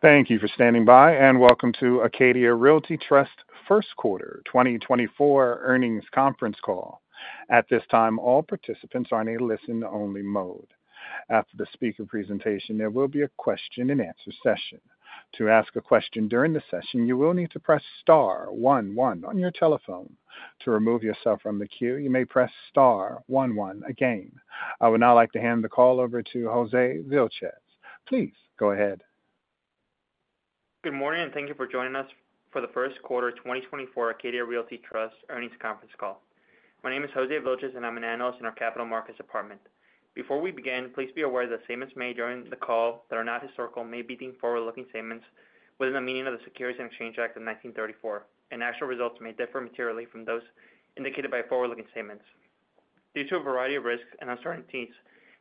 Thank you for standing by, and welcome to Acadia Realty Trust first quarter 2024 earnings conference call. At this time, all participants are in a listen-only mode. After the speaker presentation, there will be a question-and-answer session. To ask a question during the session, you will need to press star one one on your telephone. To remove yourself from the queue, you may press star one one again. I would now like to hand the call over to Jose Vilchez. Please go ahead. Good morning, and thank you for joining us for the first quarter 2024 Acadia Realty Trust earnings conference call. My name is Jose Vilchez, and I'm an analyst in our Capital Markets department. Before we begin, please be aware that statements made during the call that are not historical may be deemed forward-looking statements within the meaning of the Securities Exchange Act of 1934, and actual results may differ materially from those indicated by forward-looking statements. Due to a variety of risks and uncertainties,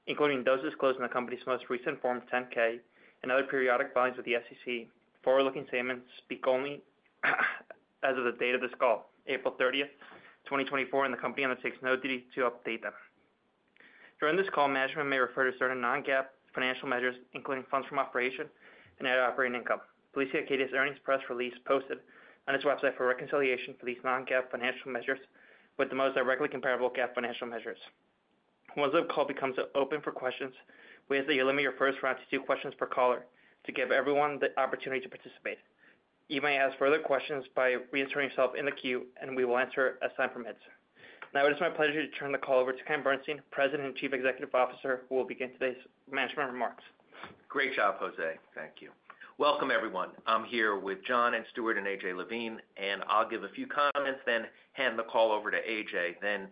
including those disclosed in the company's most recent Form 10-K and other periodic filings with the SEC, forward-looking statements speak only as of the date of this call, April 30th, 2024, and the company undertakes no duty to update them. During this call, management may refer to certain non-GAAP financial measures, including funds from operations and net operating income. Please see Acadia's earnings press release posted on its website for a reconciliation for these non-GAAP financial measures with the most directly comparable GAAP financial measures. Once the call becomes open for questions, we ask that you limit your first round to two questions per caller to give everyone the opportunity to participate. You may ask further questions by reentering yourself in the queue, and we will answer as time permits. Now, it is my pleasure to turn the call over to Ken Bernstein, President and Chief Executive Officer, who will begin today's management remarks. Great job, Jose. Thank you. Welcome, everyone. I'm here with John and Stuart and A.J. Levine, and I'll give a few comments, then hand the call over to A.J. Then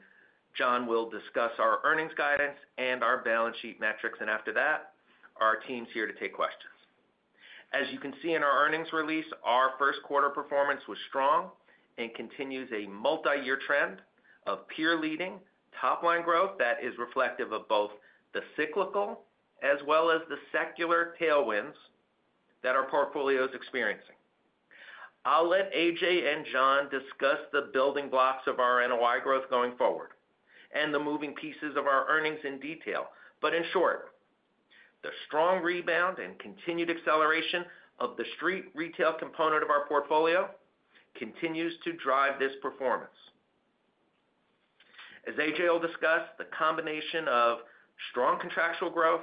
John will discuss our earnings guidance and our balance sheet metrics, and after that, our team's here to take questions. As you can see in our earnings release, our first quarter performance was strong and continues a multiyear trend of peer-leading top-line growth that is reflective of both the cyclical as well as the secular tailwinds that our portfolio is experiencing. I'll let A.J. and John discuss the building blocks of our NOI growth going forward and the moving pieces of our earnings in detail. But in short, the strong rebound and continued acceleration of the street retail component of our portfolio continues to drive this performance. As A.J. will discuss, the combination of strong contractual growth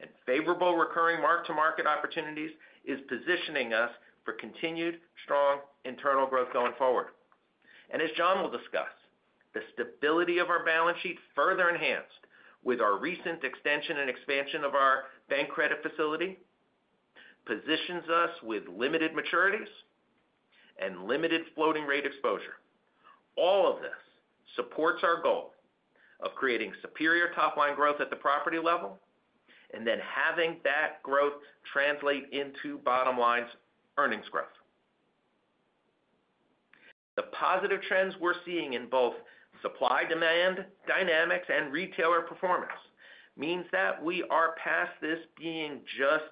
and favorable recurring mark-to-market opportunities is positioning us for continued strong internal growth going forward. As John will discuss, the stability of our balance sheet, further enhanced with our recent extension and expansion of our bank credit facility, positions us with limited maturities and limited floating rate exposure. All of this supports our goal of creating superior top-line growth at the property level and then having that growth translate into bottom-line earnings growth. The positive trends we're seeing in both supply-demand dynamics and retailer performance means that we are past this being just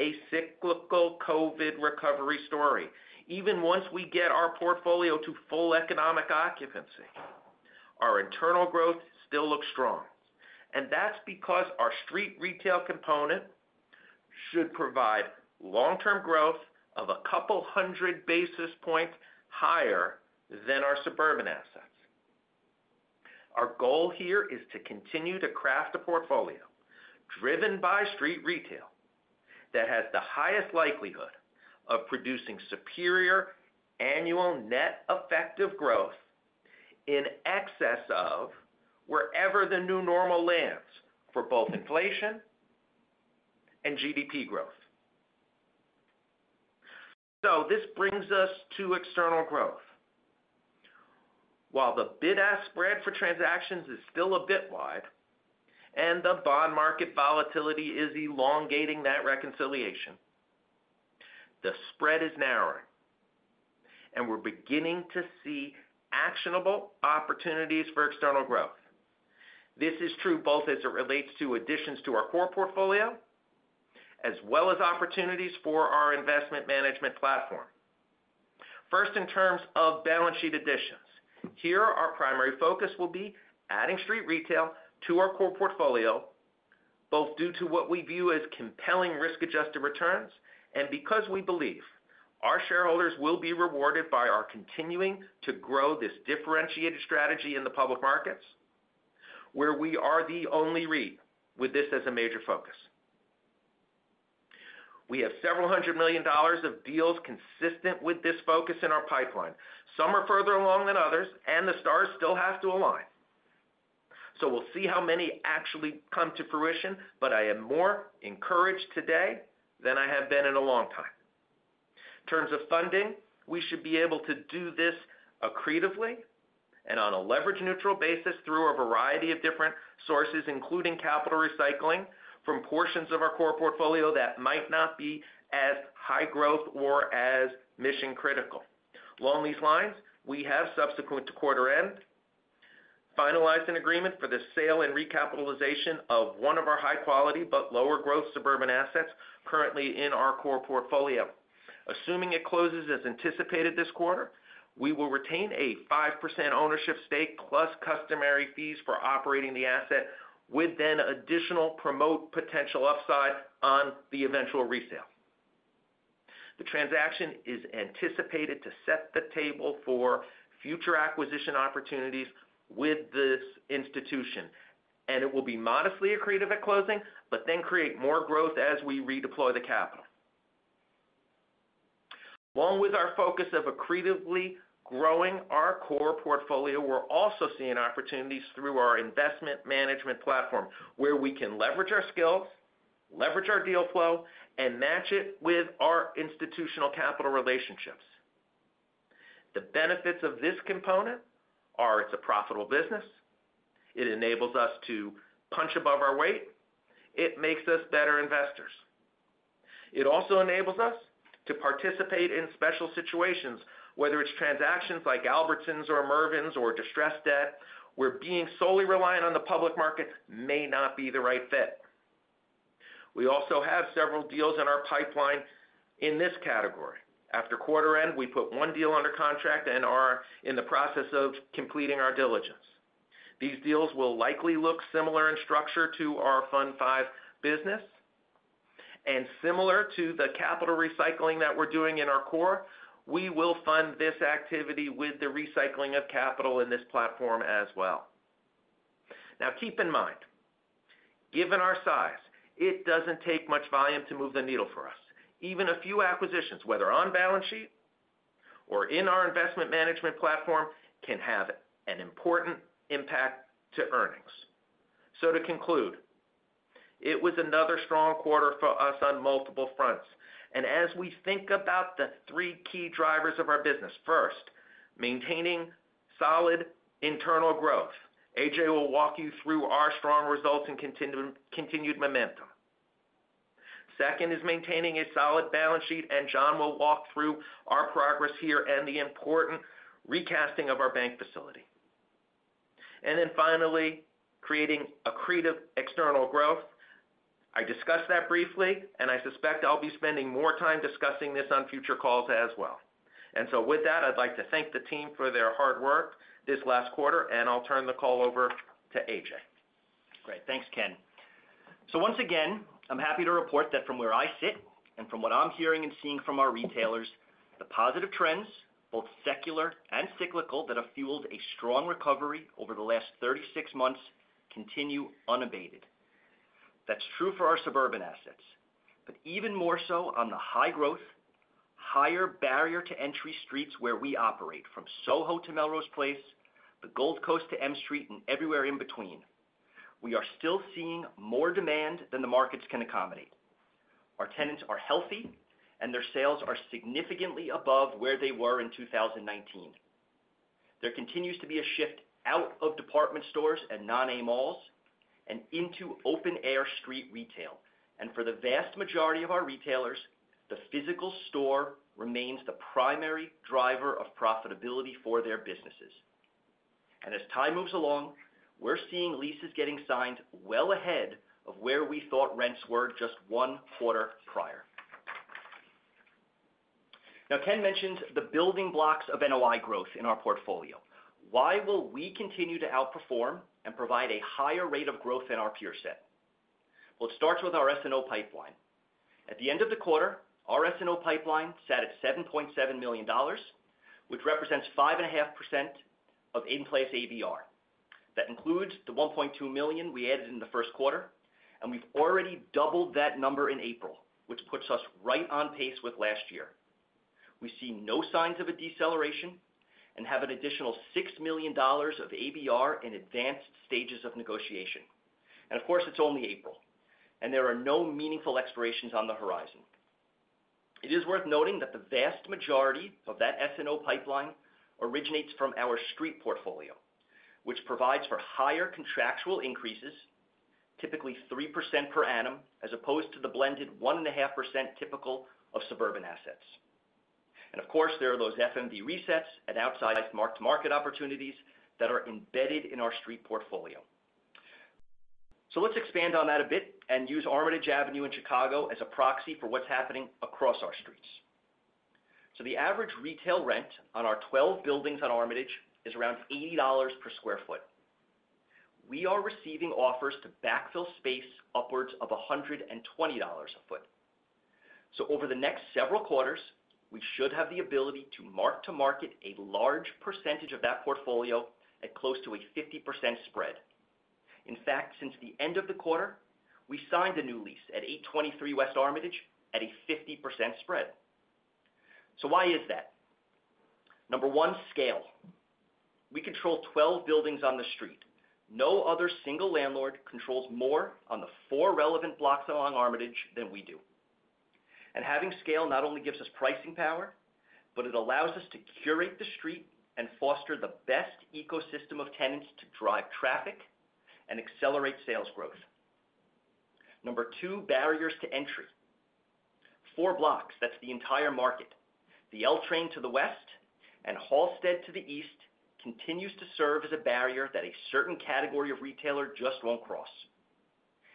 a cyclical COVID recovery story. Even once we get our portfolio to full economic occupancy, our internal growth still looks strong, and that's because our street retail component should provide long-term growth of a couple hundred basis points higher than our suburban assets. Our goal here is to continue to craft a portfolio driven by street retail that has the highest likelihood of producing superior annual net effective growth in excess of wherever the new normal lands for both inflation and GDP growth. So this brings us to external growth. While the bid-ask spread for transactions is still a bit wide and the bond market volatility is elongating that reconciliation, the spread is narrowing, and we're beginning to see actionable opportunities for external growth. This is true both as it relates to additions to our core portfolio, as well as opportunities for our investment management platform. First, in terms of balance sheet additions. Here, our primary focus will be adding street retail to our core portfolio, both due to what we view as compelling risk-adjusted returns and because we believe our shareholders will be rewarded by our continuing to grow this differentiated strategy in the public markets, where we are the only REIT with this as a major focus. We have several $100 million of deals consistent with this focus in our pipeline. Some are further along than others, and the stars still have to align. So we'll see how many actually come to fruition, but I am more encouraged today than I have been in a long time. In terms of funding, we should be able to do this accretively and on a leverage-neutral basis through a variety of different sources, including capital recycling from portions of our core portfolio that might not be as high growth or as mission-critical. Along these lines, we have, subsequent to quarter end, finalized an agreement for the sale and recapitalization of one of our high-quality but lower-growth suburban assets currently in our core portfolio. Assuming it closes as anticipated this quarter, we will retain a 5% ownership stake, plus customary fees for operating the asset, with then additional promote potential upside on the eventual resale. The transaction is anticipated to set the table for future acquisition opportunities with this institution, and it will be modestly accretive at closing, but then create more growth as we redeploy the capital. Along with our focus of accretively growing our core portfolio, we're also seeing opportunities through our investment management platform, where we can leverage our skills, leverage our deal flow, and match it with our institutional capital relationships. The benefits of this component are: it's a profitable business, it enables us to punch above our weight, it makes us better investors. It also enables us to participate in special situations, whether it's transactions like Albertsons or Mervyn's or distressed debt, where being solely reliant on the public market may not be the right fit. We also have several deals in our pipeline in this category. After quarter end, we put one deal under contract and are in the process of completing our diligence. These deals will likely look similar in structure to our Fund V business, and similar to the capital recycling that we're doing in our core, we will fund this activity with the recycling of capital in this platform as well. Now, keep in mind, given our size, it doesn't take much volume to move the needle for us. Even a few acquisitions, whether on balance sheet or in our investment management platform, can have an important impact to earnings. So to conclude, it was another strong quarter for us on multiple fronts, and as we think about the three key drivers of our business: first, maintaining solid internal growth. A.J. will walk you through our strong results and continued momentum. Second is maintaining a solid balance sheet, and John will walk through our progress here and the important recasting of our bank facility. And then finally, creating accretive external growth. I discussed that briefly, and I suspect I'll be spending more time discussing this on future calls as well. And so with that, I'd like to thank the team for their hard work this last quarter, and I'll turn the call over to A.J. Great. Thanks, Ken. So once again, I'm happy to report that from where I sit, and from what I'm hearing and seeing from our retailers, the positive trends, both secular and cyclical, that have fueled a strong recovery over the last 36 months, continue unabated. That's true for our suburban assets, but even more so on the high-growth, higher-barrier-to-entry streets where we operate, from SoHo to Melrose Place, the Gold Coast to M Street, and everywhere in between. We are still seeing more demand than the markets can accommodate. Our tenants are healthy, and their sales are significantly above where they were in 2019. There continues to be a shift out of department stores and non-A malls and into open-air street retail. And for the vast majority of our retailers, the physical store remains the primary driver of profitability for their businesses. As time moves along, we're seeing leases getting signed well ahead of where we thought rents were just one quarter prior. Now, Ken mentioned the building blocks of NOI growth in our portfolio. Why will we continue to outperform and provide a higher rate of growth in our peer set? Well, it starts with our S&O pipeline. At the end of the quarter, our S&O pipeline sat at $7.7 million, which represents 5.5% of in-place ABR. That includes the $1.2 million we added in the first quarter, and we've already doubled that number in April, which puts us right on pace with last year. We see no signs of a deceleration and have an additional $6 million of ABR in advanced stages of negotiation. And of course, it's only April, and there are no meaningful expirations on the horizon. It is worth noting that the vast majority of that S&O pipeline originates from our street portfolio, which provides for higher contractual increases, typically 3% per annum, as opposed to the blended 1.5% typical of suburban assets. And of course, there are those FMV resets and mark-to-market opportunities that are embedded in our street portfolio. So let's expand on that a bit and use Armitage Avenue in Chicago as a proxy for what's happening across our streets. So the average retail rent on our 12 buildings on Armitage is around $80 per sq ft. We are receiving offers to backfill space upwards of $120 a foot. So over the next several quarters, we should have the ability to mark-to-market a large percentage of that portfolio at close to a 50% spread. In fact, since the end of the quarter, we signed a new lease at 823 West Armitage at a 50% spread. So why is that? Number one, scale. We control 12 buildings on the street. No other single landlord controls more on the four relevant blocks along Armitage than we do. And having scale not only gives us pricing power, but it allows us to curate the street and foster the best ecosystem of tenants to drive traffic and accelerate sales growth. Number two, barriers to entry. Four blocks, that's the entire market. The L train to the west and Halsted to the east continues to serve as a barrier that a certain category of retailer just won't cross...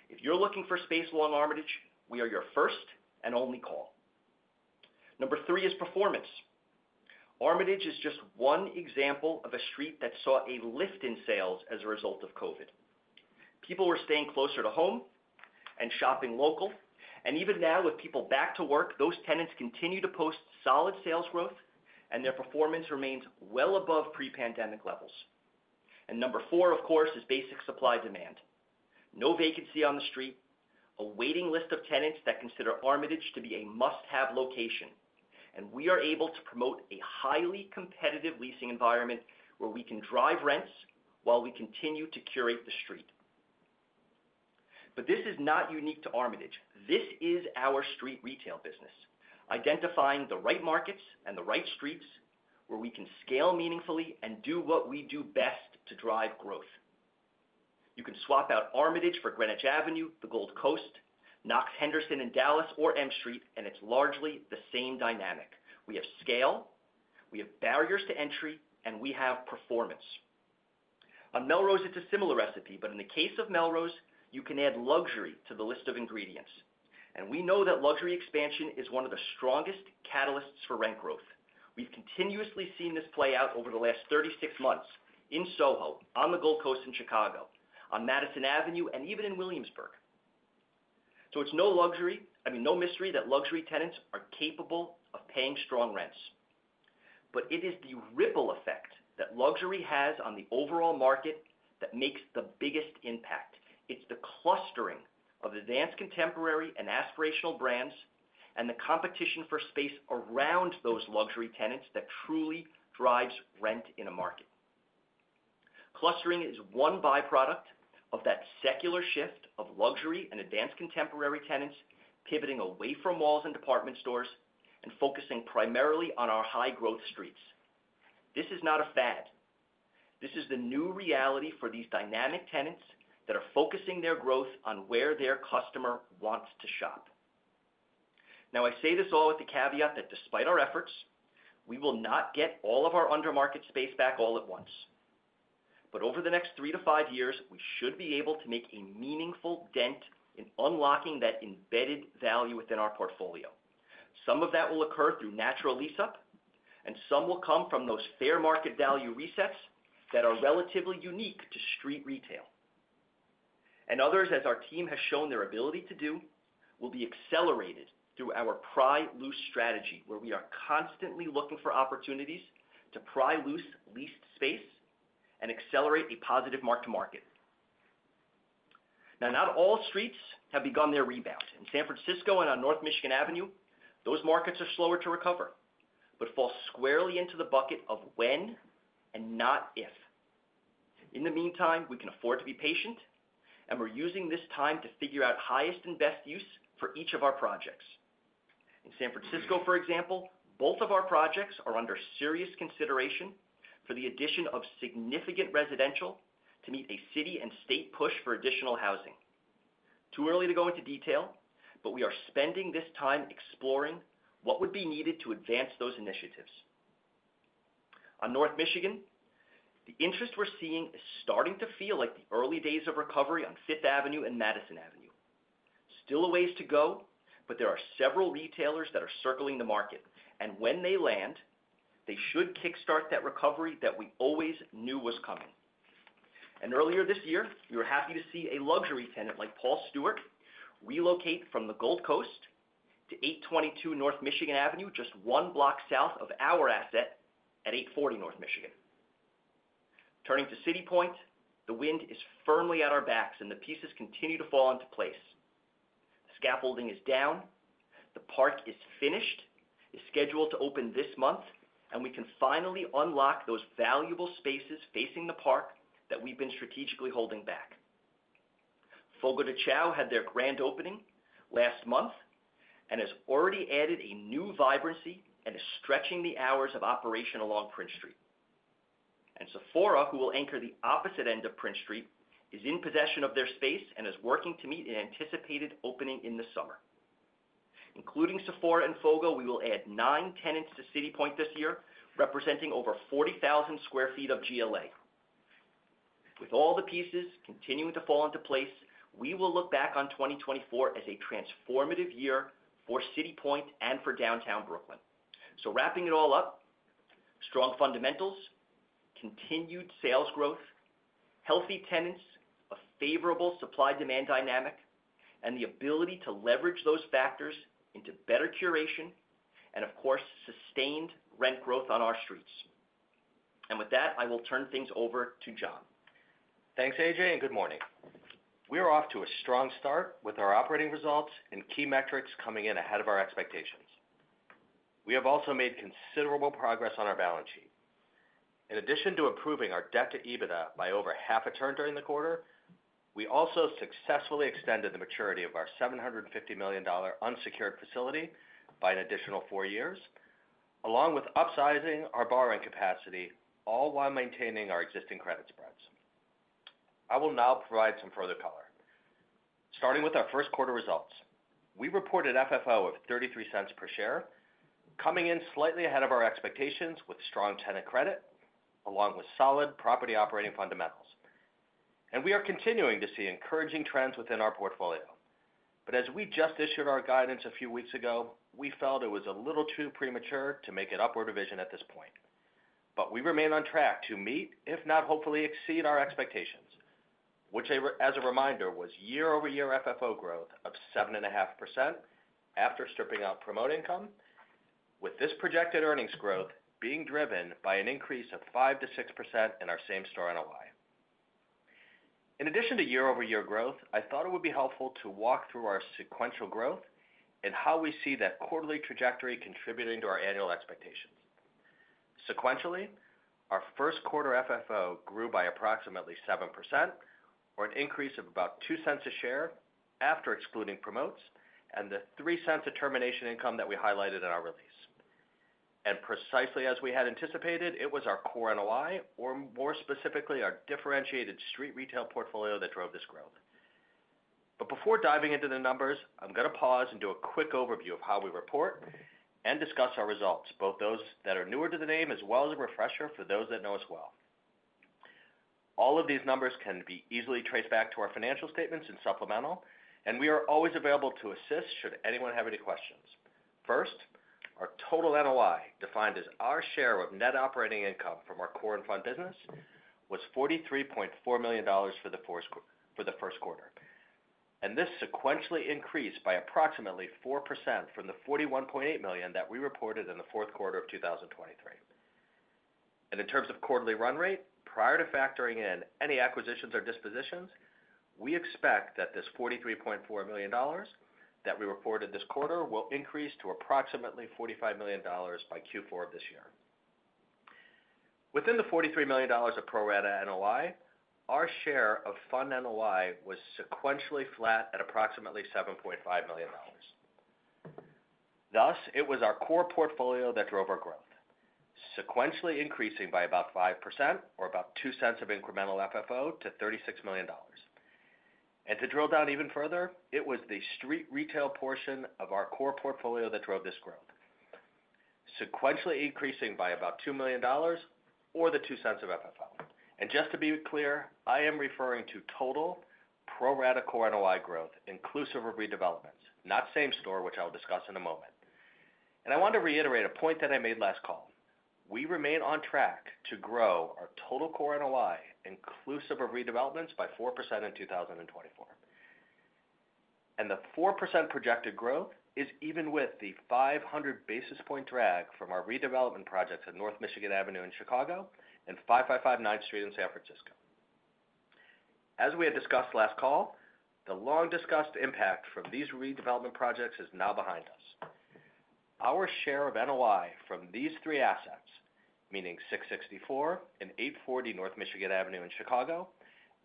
If you're looking for space along Armitage, we are your first and only call. Number three is performance. Armitage is just one example of a street that saw a lift in sales as a result of COVID. People were staying closer to home and shopping local, and even now, with people back to work, those tenants continue to post solid sales growth, and their performance remains well above pre-pandemic levels. Number four, of course, is basic supply-demand. No vacancy on the street, a waiting list of tenants that consider Armitage to be a must-have location, and we are able to promote a highly competitive leasing environment where we can drive rents while we continue to curate the street. This is not unique to Armitage. This is our street retail business, identifying the right markets and the right streets where we can scale meaningfully and do what we do best to drive growth. You can swap out Armitage for Greenwich Avenue, the Gold Coast, Knox-Henderson in Dallas, or M Street, and it's largely the same dynamic. We have scale, we have barriers to entry, and we have performance. On Melrose, it's a similar recipe, but in the case of Melrose, you can add luxury to the list of ingredients, and we know that luxury expansion is one of the strongest catalysts for rent growth. We've continuously seen this play out over the last 36 months in SoHo, on the Gold Coast in Chicago, on Madison Avenue, and even in Williamsburg. So it's no luxury, I mean, no mystery that luxury tenants are capable of paying strong rents. But it is the ripple effect that luxury has on the overall market that makes the biggest impact. It's the clustering of advanced, contemporary, and aspirational brands, and the competition for space around those luxury tenants that truly drives rent in a market. Clustering is one by-product of that secular shift of luxury and advanced contemporary tenants pivoting away from malls and department stores and focusing primarily on our high-growth streets. This is not a fad. This is the new reality for these dynamic tenants that are focusing their growth on where their customer wants to shop. Now, I say this all with the caveat that despite our efforts, we will not get all of our under-market space back all at once. But over the next three to five years, we should be able to make a meaningful dent in unlocking that embedded value within our portfolio. Some of that will occur through natural lease-up, and some will come from those fair market value resets that are relatively unique to street retail. And others, as our team has shown their ability to do, will be accelerated through our Pry Loose Strategy, where we are constantly looking for opportunities to pry loose leased space and accelerate a positive mark-to-market. Now, not all streets have begun their rebound. In San Francisco and on North Michigan Avenue, those markets are slower to recover, but fall squarely into the bucket of when and not if. In the meantime, we can afford to be patient, and we're using this time to figure out highest and best use for each of our projects. In San Francisco, for example, both of our projects are under serious consideration for the addition of significant residential to meet a city and state push for additional housing. Too early to go into detail, but we are spending this time exploring what would be needed to advance those initiatives. On North Michigan, the interest we're seeing is starting to feel like the early days of recovery on Fifth Avenue and Madison Avenue. Still a ways to go, but there are several retailers that are circling the market, and when they land, they should kickstart that recovery that we always knew was coming. Earlier this year, we were happy to see a luxury tenant like Paul Stuart relocate from the Gold Coast to 822 North Michigan Avenue, just one block south of our asset at 840 North Michigan. Turning to City Point, the wind is firmly at our backs, and the pieces continue to fall into place. The scaffolding is down, the park is finished, is scheduled to open this month, and we can finally unlock those valuable spaces facing the park that we've been strategically holding back. Fogo de Chão had their grand opening last month and has already added a new vibrancy and is stretching the hours of operation along Prince Street. Sephora, who will anchor the opposite end of Prince Street, is in possession of their space and is working to meet an anticipated opening in the summer. Including Sephora and Fogo, we will add nine tenants to City Point this year, representing over 40,000 sq ft of GLA. With all the pieces continuing to fall into place, we will look back on 2024 as a transformative year for City Point and for downtown Brooklyn. Wrapping it all up, strong fundamentals, continued sales growth, healthy tenants, a favorable supply-demand dynamic, and the ability to leverage those factors into better curation and, of course, sustained rent growth on our streets. With that, I will turn things over to John. Thanks, A.J., and good morning. We are off to a strong start with our operating results and key metrics coming in ahead of our expectations. We have also made considerable progress on our balance sheet. In addition to improving our debt to EBITDA by over half a turn during the quarter, we also successfully extended the maturity of our $750 million unsecured facility by an additional four years, along with upsizing our borrowing capacity, all while maintaining our existing credit spreads. I will now provide some further color. Starting with our first quarter results, we reported FFO of $0.33 per share, coming in slightly ahead of our expectations, with strong tenant credit, along with solid property operating fundamentals. We are continuing to see encouraging trends within our portfolio. But as we just issued our guidance a few weeks ago, we felt it was a little too premature to make an upward revision at this point. But we remain on track to meet, if not hopefully exceed, our expectations, which, as a reminder, was year-over-year FFO growth of 7.5% after stripping out promote income, with this projected earnings growth being driven by an increase of 5%-6% in our same store NOI. In addition to year-over-year growth, I thought it would be helpful to walk through our sequential growth and how we see that quarterly trajectory contributing to our annual expectations. Sequentially, our first quarter FFO grew by approximately 7%, or an increase of about $0.02 per share after excluding promotes and the $0.03 of termination income that we highlighted in our release. Precisely as we had anticipated, it was our core NOI, or more specifically, our differentiated street retail portfolio, that drove this growth. But before diving into the numbers, I'm going to pause and do a quick overview of how we report and discuss our results, both those that are newer to the name, as well as a refresher for those that know us well. All of these numbers can be easily traced back to our financial statements and supplemental, and we are always available to assist should anyone have any questions. First, our total NOI, defined as our share of net operating income from our core and fund business, was $43.4 million for the first quarter, and this sequentially increased by approximately 4% from the $41.8 million that we reported in the fourth quarter of 2023. In terms of quarterly run rate, prior to factoring in any acquisitions or dispositions, we expect that this $43.4 million that we reported this quarter will increase to approximately $45 million by Q4 of this year. Within the $43 million of pro rata NOI, our share of fund NOI was sequentially flat at approximately $7.5 million. Thus, it was our core portfolio that drove our growth, sequentially increasing by about 5% or about $0.02 of incremental FFO to $36 million. To drill down even further, it was the street retail portion of our core portfolio that drove this growth, sequentially increasing by about $2 million or the $0.02 of FFO. Just to be clear, I am referring to total pro rata core NOI growth, inclusive of redevelopments, not same store, which I'll discuss in a moment. I want to reiterate a point that I made last call. We remain on track to grow our total core NOI, inclusive of redevelopments, by 4% in 2024. The 4% projected growth is even with the 500 basis points drag from our redevelopment projects at North Michigan Avenue in Chicago and 555 Ninth Street in San Francisco. As we had discussed last call, the long-discussed impact from these redevelopment projects is now behind us. Our share of NOI from these three assets, meaning 664 and 840 North Michigan Avenue in Chicago,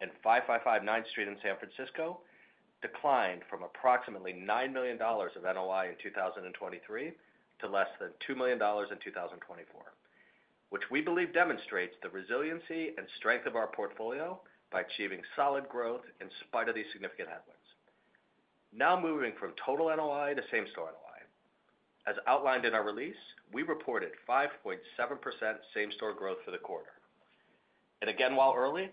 and 555 Ninth Street in San Francisco, declined from approximately $9 million of NOI in 2023 to less than $2 million in 2024, which we believe demonstrates the resiliency and strength of our portfolio by achieving solid growth in spite of these significant headwinds. Now moving from total NOI to Same Store NOI. As outlined in our release, we reported 5.7% Same Store growth for the quarter. And again, while early,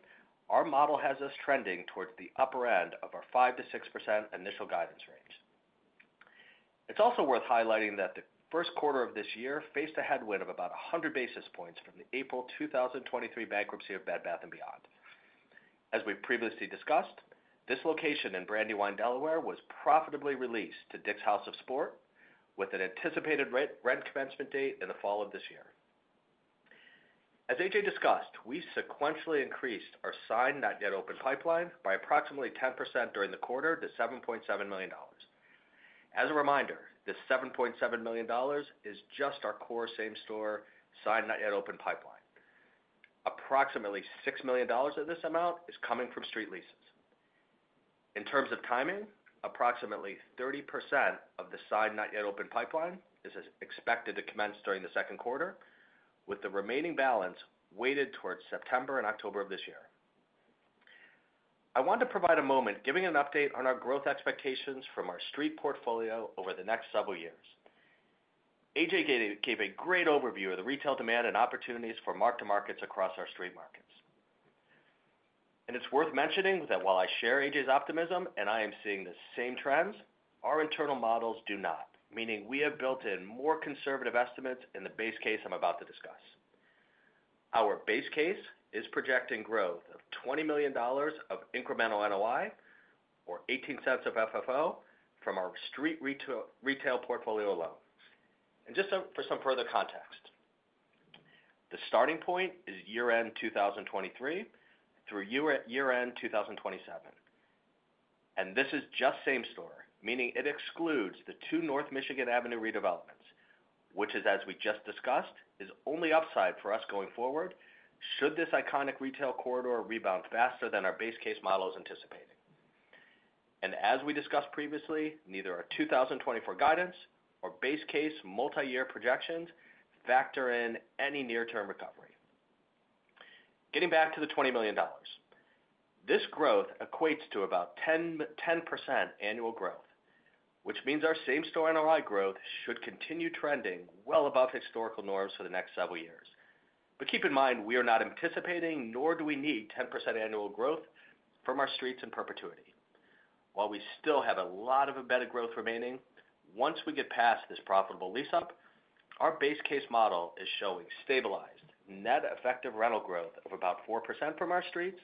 our model has us trending towards the upper end of our 5%-6% initial guidance range. It's also worth highlighting that the first quarter of this year faced a headwind of about 100 basis points from the April 2023 bankruptcy of Bed Bath & Beyond. As we've previously discussed, this location in Brandywine, Delaware, was profitably released to Dick's House of Sport, with an anticipated re-rent commencement date in the fall of this year. As A.J. discussed, we sequentially increased our signed not yet open pipeline by approximately 10% during the quarter to $7.7 million. As a reminder, this $7.7 million is just our core same store signed not yet open pipeline. Approximately $6 million of this amount is coming from street leases. In terms of timing, approximately 30% of the signed not yet open pipeline is as expected to commence during the second quarter, with the remaining balance weighted towards September and October of this year. I want to provide a moment giving an update on our growth expectations from our street portfolio over the next several years. A.J. gave, gave a great overview of the retail demand and opportunities for mark-to-market across our street markets. It's worth mentioning that while I share A.J.'s optimism and I am seeing the same trends, our internal models do not, meaning we have built in more conservative estimates in the base case I'm about to discuss. Our base case is projecting growth of $20 million of incremental NOI, or $0.18 of FFO, from our street retail portfolio alone. And just for some further context, the starting point is year-end 2023 through year-end 2027. And this is just same-store, meaning it excludes the two North Michigan Avenue redevelopments, which is, as we just discussed, is only upside for us going forward, should this iconic retail corridor rebound faster than our base case model is anticipating. And as we discussed previously, neither our 2024 guidance or base-case multi-year projections factor in any near-term recovery. Getting back to the $20 million. This growth equates to about 10% annual growth, which means our same-store NOI growth should continue trending well above historical norms for the next several years. But keep in mind, we are not anticipating, nor do we need 10% annual growth from our streets in perpetuity. While we still have a lot of embedded growth remaining, once we get past this profitable lease-up, our base-case model is showing stabilized net effective rental growth of about 4% from our streets,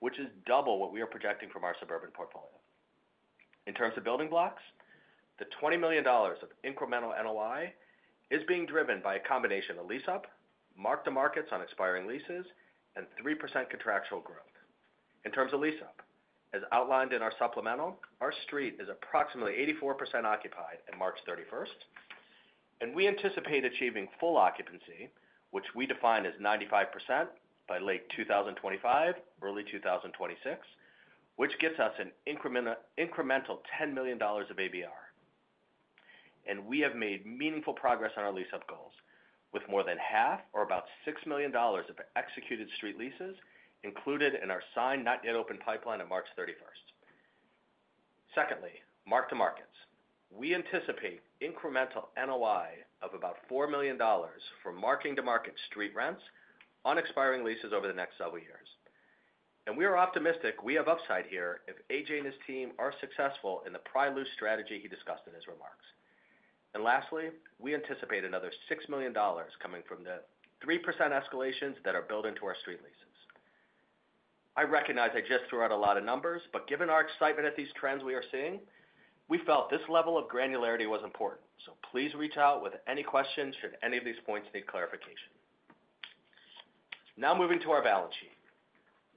which is double what we are projecting from our suburban portfolio. In terms of building blocks, the $20 million of incremental NOI is being driven by a combination of lease-up, mark-to-markets on expiring leases, and 3% contractual growth. In terms of lease-up, as outlined in our supplemental, our street is approximately 84% occupied at March 31st, and we anticipate achieving full occupancy, which we define as 95%, by late 2025, early 2026, which gets us an incremental $10 million of ABR. We have made meaningful progress on our lease-up goals, with more than half, or about $6 million of executed street leases, included in our signed, not yet open pipeline on March 31st. Secondly, mark-to-market. We anticipate incremental NOI of about $4 million from marking to market street rents on expiring leases over the next several years. We are optimistic we have upside here if A.J. and his team are successful in the Pry Loose Strategy he discussed in his remarks. Lastly, we anticipate another $6 million coming from the 3% escalations that are built into our street leases. I recognize I just threw out a lot of numbers, but given our excitement at these trends we are seeing, we felt this level of granularity was important. Please reach out with any questions should any of these points need clarification. Now moving to our balance sheet.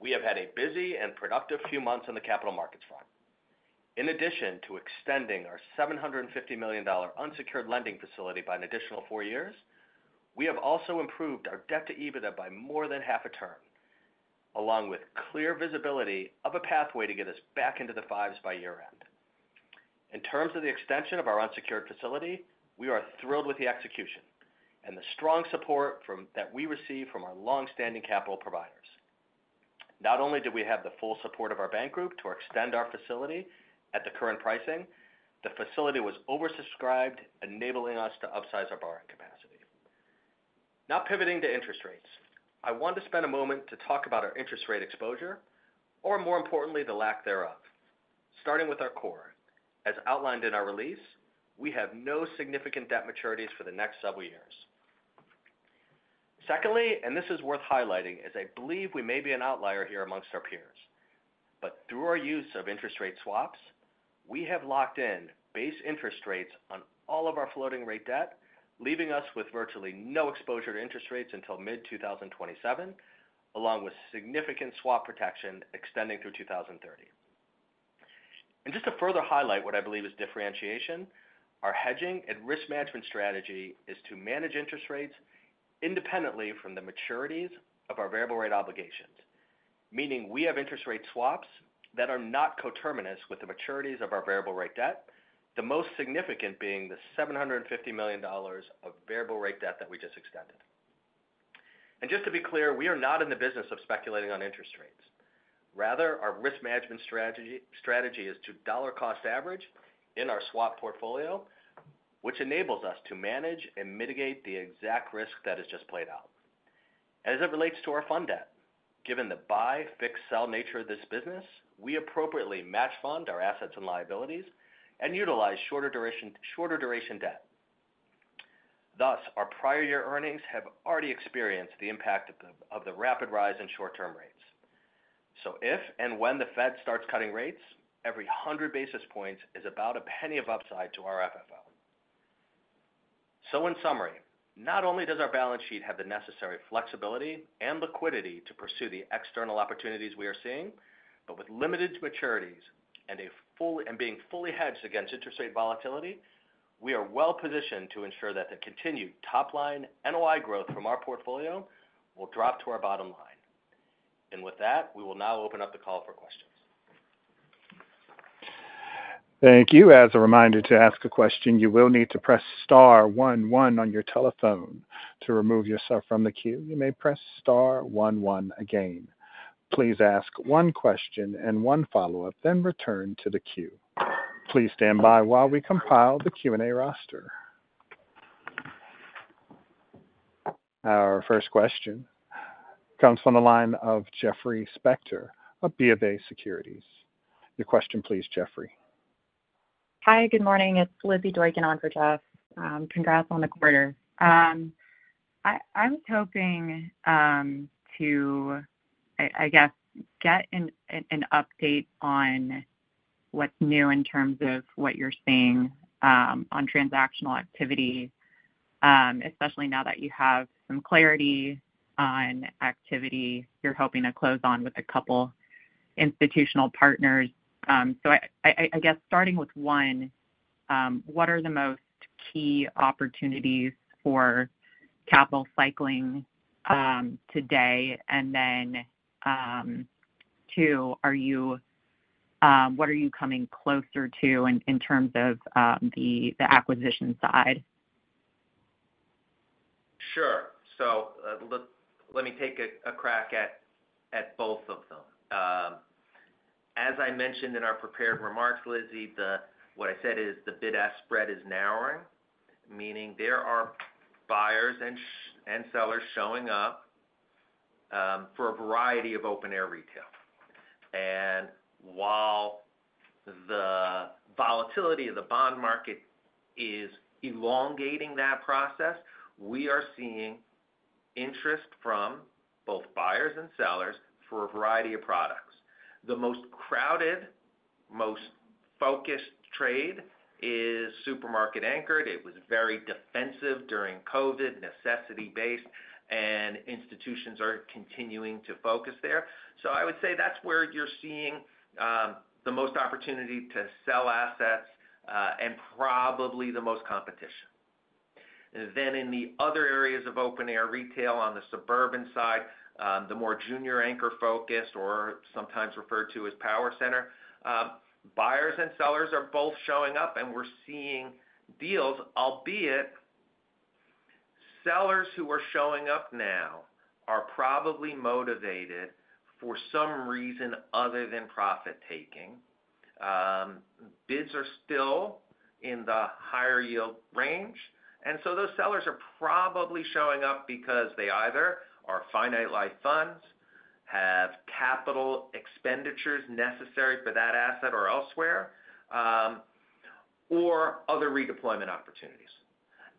We have had a busy and productive few months on the capital markets front. In addition to extending our $750 million unsecured lending facility by an additional four years, we have also improved our debt to EBITDA by more than half a term, along with clear visibility of a pathway to get us back into the fives by year-end. In terms of the extension of our unsecured facility, we are thrilled with the execution and the strong support from that we receive from our long-standing capital providers. Not only did we have the full support of our bank group to extend our facility at the current pricing, the facility was oversubscribed, enabling us to upsize our borrowing capacity. Now pivoting to interest rates. I want to spend a moment to talk about our interest rate exposure, or more importantly, the lack thereof. Starting with our core. As outlined in our release, we have no significant debt maturities for the next several years. Secondly, and this is worth highlighting, as I believe we may be an outlier here amongst our peers, but through our use of interest rate swaps, we have locked in base interest rates on all of our floating rate debt, leaving us with virtually no exposure to interest rates until mid-2027, along with significant swap protection extending through 2030. And just to further highlight what I believe is differentiation, our hedging and risk management strategy is to manage interest rates independently from the maturities of our variable rate obligations, meaning we have interest rate swaps that are not coterminous with the maturities of our variable rate debt, the most significant being the $750 million of variable rate debt that we just extended. And just to be clear, we are not in the business of speculating on interest rates. Rather, our risk management strategy, strategy is to dollar cost average in our swap portfolio, which enables us to manage and mitigate the exact risk that is just played out. As it relates to our fund debt, given the buy, fix, sell nature of this business, we appropriately match fund our assets and liabilities and utilize shorter duration, shorter duration debt. Thus, our prior year earnings have already experienced the impact of the rapid rise in short-term rates. So if and when the Fed starts cutting rates, every 100 basis points is about $0.01 of upside to our FFO. So in summary, not only does our balance sheet have the necessary flexibility and liquidity to pursue the external opportunities we are seeing, but with limited maturities and being fully hedged against interest rate volatility, we are well positioned to ensure that the continued top-line NOI growth from our portfolio will drop to our bottom line. And with that, we will now open up the call for questions. Thank you. As a reminder to ask a question, you will need to press star one one on your telephone. To remove yourself from the queue, you may press star one one again. Please ask one question and one follow-up, then return to the queue. Please stand by while we compile the Q&A roster. Our first question comes from the line of Jeffrey Spector of BofA Securities. Your question please, Jeffrey. Hi, good morning. It's Lizzy Doykan on for Jeff. Congrats on the quarter. I was hoping to get an update on what's new in terms of what you're seeing on transactional activity, especially now that you have some clarity on activity you're hoping to close on with a couple institutional partners. So I guess starting with one, what are the most key opportunities for capital cycling today? And then, two, are you coming closer to in terms of the acquisition side?... Sure. So, look, let me take a crack at both of them. As I mentioned in our prepared remarks, Lizzy, what I said is the bid-ask spread is narrowing, meaning there are buyers and sellers showing up for a variety of open-air retail. And while the volatility of the bond market is elongating that process, we are seeing interest from both buyers and sellers for a variety of products. The most crowded, most focused trade is supermarket-anchored. It was very defensive during COVID, necessity-based, and institutions are continuing to focus there. So I would say that's where you're seeing the most opportunity to sell assets and probably the most competition. Then in the other areas of open-air retail, on the suburban side, the more junior-anchor-focused, or sometimes referred to as power center, buyers and sellers are both showing up, and we're seeing deals, albeit sellers who are showing up now are probably motivated for some reason other than profit-taking. Bids are still in the higher-yield range, and so those sellers are probably showing up because they either are finite-life funds, have capital expenditures necessary for that asset or elsewhere, or other redeployment opportunities.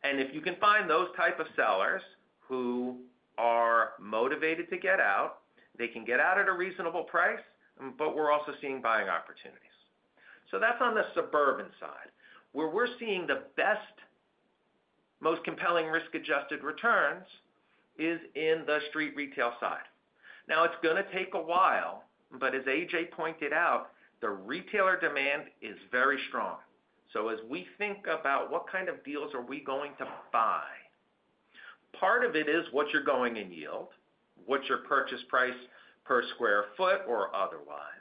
And if you can find those type of sellers who are motivated to get out, they can get out at a reasonable price, but we're also seeing buying opportunities. So that's on the suburban side. Where we're seeing the best, most compelling risk-adjusted returns is in the street retail side. Now, it's gonna take a while, but as A.J. pointed out, the retailer demand is very strong. So as we think about what kind of deals are we going to buy, part of it is what's your going-in yield, what's your purchase price per square foot or otherwise.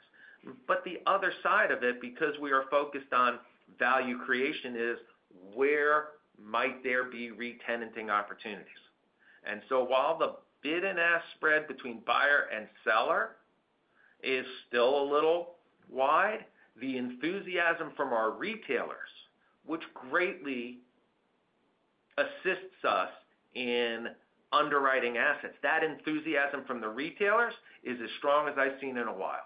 But the other side of it, because we are focused on value creation, is where might there be re-tenanting opportunities? And so while the bid and ask spread between buyer and seller is still a little wide, the enthusiasm from our retailers, which greatly assists us in underwriting assets, that enthusiasm from the retailers is as strong as I've seen in a while.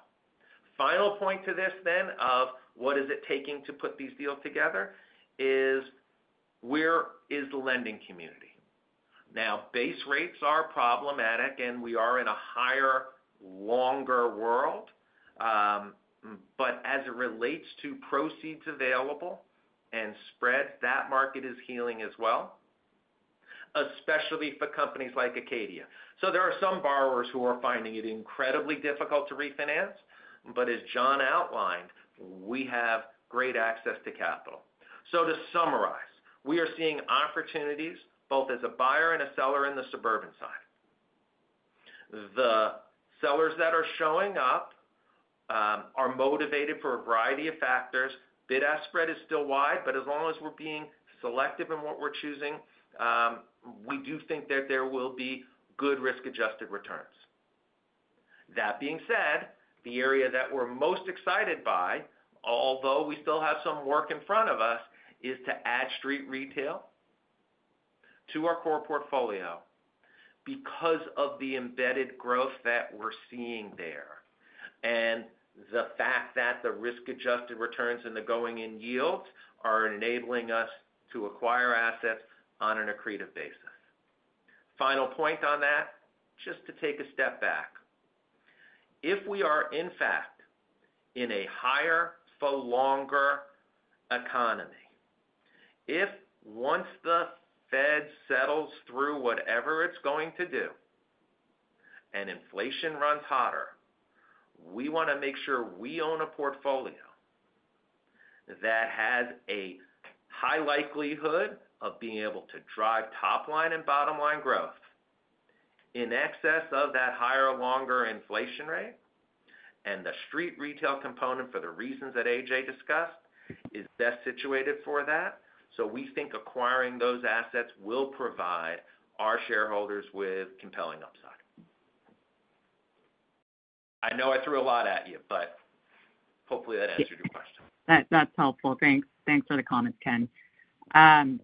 Final point to this then, of what is it taking to put these deals together, is where is the lending community? Now, base rates are problematic, and we are in a higher, longer world. But as it relates to proceeds available and spread, that market is healing as well, especially for companies like Acadia. So there are some borrowers who are finding it incredibly difficult to refinance, but as John outlined, we have great access to capital. So to summarize, we are seeing opportunities both as a buyer and a seller in the suburban side. The sellers that are showing up are motivated for a variety of factors. Bid-ask spread is still wide, but as long as we're being selective in what we're choosing, we do think that there will be good risk-adjusted returns. That being said, the area that we're most excited by, although we still have some work in front of us, is to add street retail to our core portfolio because of the embedded growth that we're seeing there, and the fact that the risk-adjusted returns and the going-in yields are enabling us to acquire assets on an accretive basis. Final point on that, just to take a step back. If we are, in fact, in a higher for longer economy, if once the Fed settles through whatever it's going to do and inflation runs hotter, we wanna make sure we own a portfolio that has a high likelihood of being able to drive top-line and bottom-line growth in excess of that higher, longer inflation rate, and the street retail component, for the reasons that A.J. discussed, is best situated for that. So we think acquiring those assets will provide our shareholders with compelling upside. I know I threw a lot at you, but hopefully, that answered your question. That, that's helpful. Thanks. Thanks for the comments, Ken. And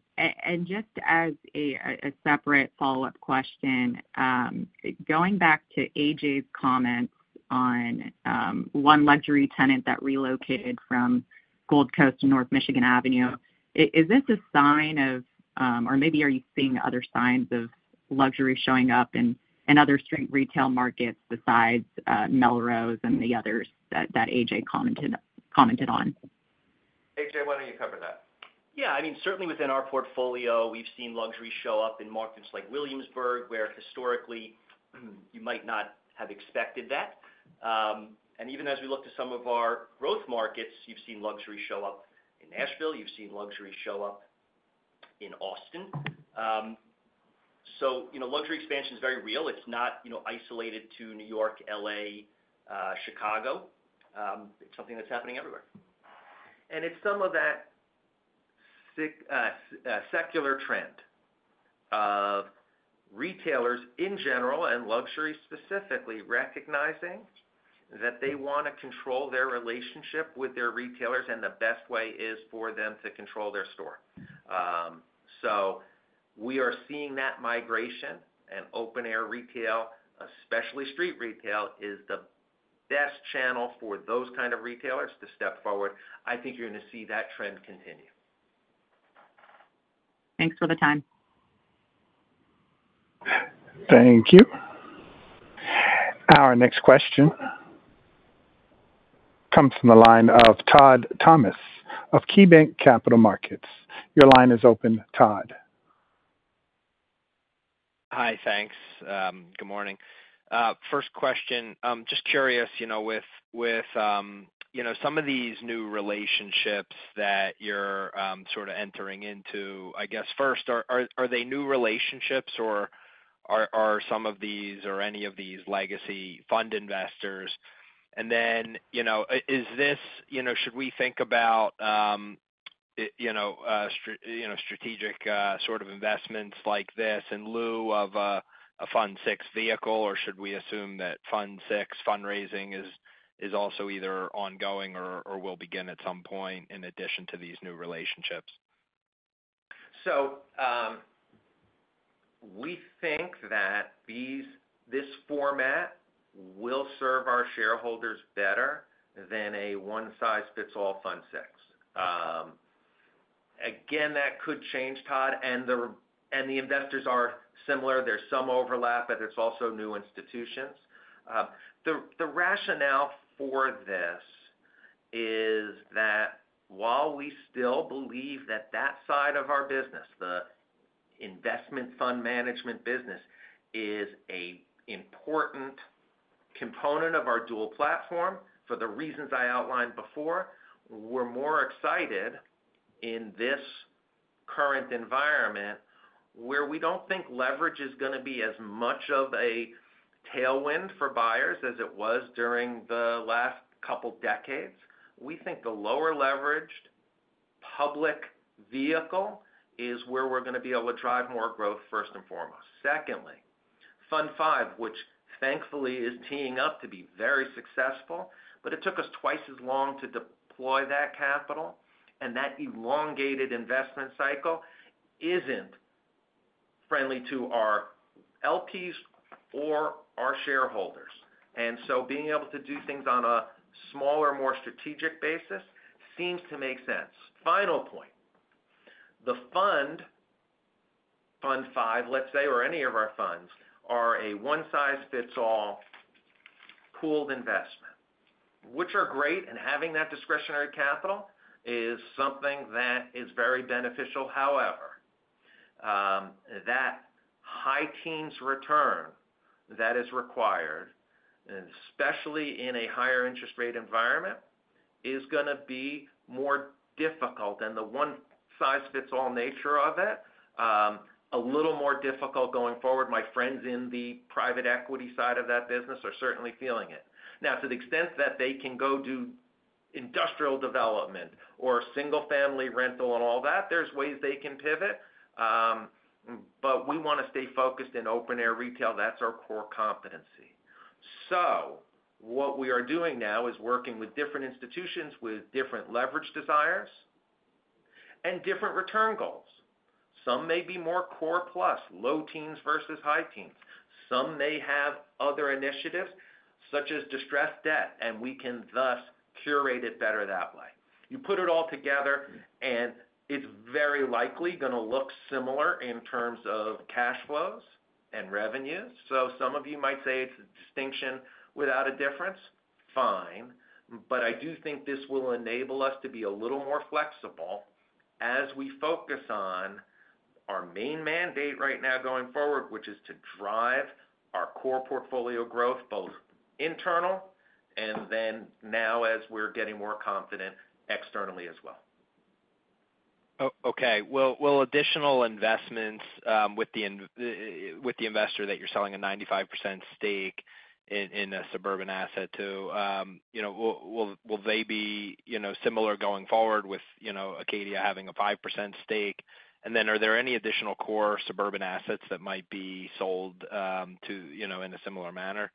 just as a separate follow-up question, going back to A.J.'s comments on one luxury tenant that relocated from Gold Coast to North Michigan Avenue, is this a sign of... Or maybe are you seeing other signs of luxury showing up in other street retail markets besides Melrose and the others that A.J. commented on? A.J., why don't you cover that? Yeah, I mean, certainly within our portfolio, we've seen luxury show up in markets like Williamsburg, where historically, you might not have expected that. And even as we look to some of our growth markets, you've seen luxury show up in Nashville, you've seen luxury show up in Austin.... so, you know, luxury expansion is very real. It's not, you know, isolated to New York, L.A., Chicago. It's something that's happening everywhere. And it's some of that secular trend of retailers in general, and luxury specifically, recognizing that they wanna control their relationship with their retailers, and the best way is for them to control their store. So we are seeing that migration, and open-air retail, especially street retail, is the best channel for those kind of retailers to step forward. I think you're gonna see that trend continue. Thanks for the time. Thank you. Our next question comes from the line of Todd Thomas of KeyBanc Capital Markets. Your line is open, Todd. Hi, thanks. Good morning. First question, just curious, you know, with, you know, some of these new relationships that you're sort of entering into, I guess, first, are they new relationships or are some of these or any of these legacy fund investors? And then, you know, is this you know, should we think about, you know, strategic sort of investments like this in lieu of a Fund VI vehicle? Or should we assume that Fund VI fundraising is also either ongoing or will begin at some point in addition to these new relationships? So, we think that this format will serve our shareholders better than a one-size-fits-all Fund VI. Again, that could change, Todd, and the investors are similar. There's some overlap, but there's also new institutions. The rationale for this is that while we still believe that that side of our business, the investment fund management business, is an important component of our dual platform for the reasons I outlined before, we're more excited in this current environment, where we don't think leverage is gonna be as much of a tailwind for buyers as it was during the last couple decades. We think the lower-leveraged public vehicle is where we're gonna be able to drive more growth, first and foremost. Secondly, Fund V, which thankfully is teeing up to be very successful, but it took us twice as long to deploy that capital, and that elongated investment cycle isn't friendly to our LPs or our shareholders. And so being able to do things on a smaller, more strategic basis seems to make sense. Final point, the Fund, Fund V, let's say, or any of our funds, are a one-size-fits-all pooled investment, which are great, and having that discretionary capital is something that is very beneficial. However, that high teens return that is required, and especially in a higher interest rate environment, is gonna be more difficult, and the one-size-fits-all nature of it, a little more difficult going forward. My friends in the private equity side of that business are certainly feeling it. Now, to the extent that they can go do industrial development or single-family rental and all that, there's ways they can pivot. But we wanna stay focused in open-air retail. That's our core competency. So what we are doing now is working with different institutions, with different leverage desires and different return goals. Some may be more core plus, low teens versus high teens. Some may have other initiatives, such as distressed debt, and we can thus curate it better that way. You put it all together, and it's very likely gonna look similar in terms of cash flows and revenues. So some of you might say it's a distinction without a difference, fine. But I do think this will enable us to be a little more flexible as we focus on our main mandate right now going forward, which is to drive our core portfolio growth, both internal and then now as we're getting more confident, externally as well. Okay. Will additional investments with the investor that you're selling a 95% stake in a suburban asset to, you know, will they be, you know, similar going forward with, you know, Acadia having a 5% stake? And then are there any additional core suburban assets that might be sold to, you know, in a similar manner?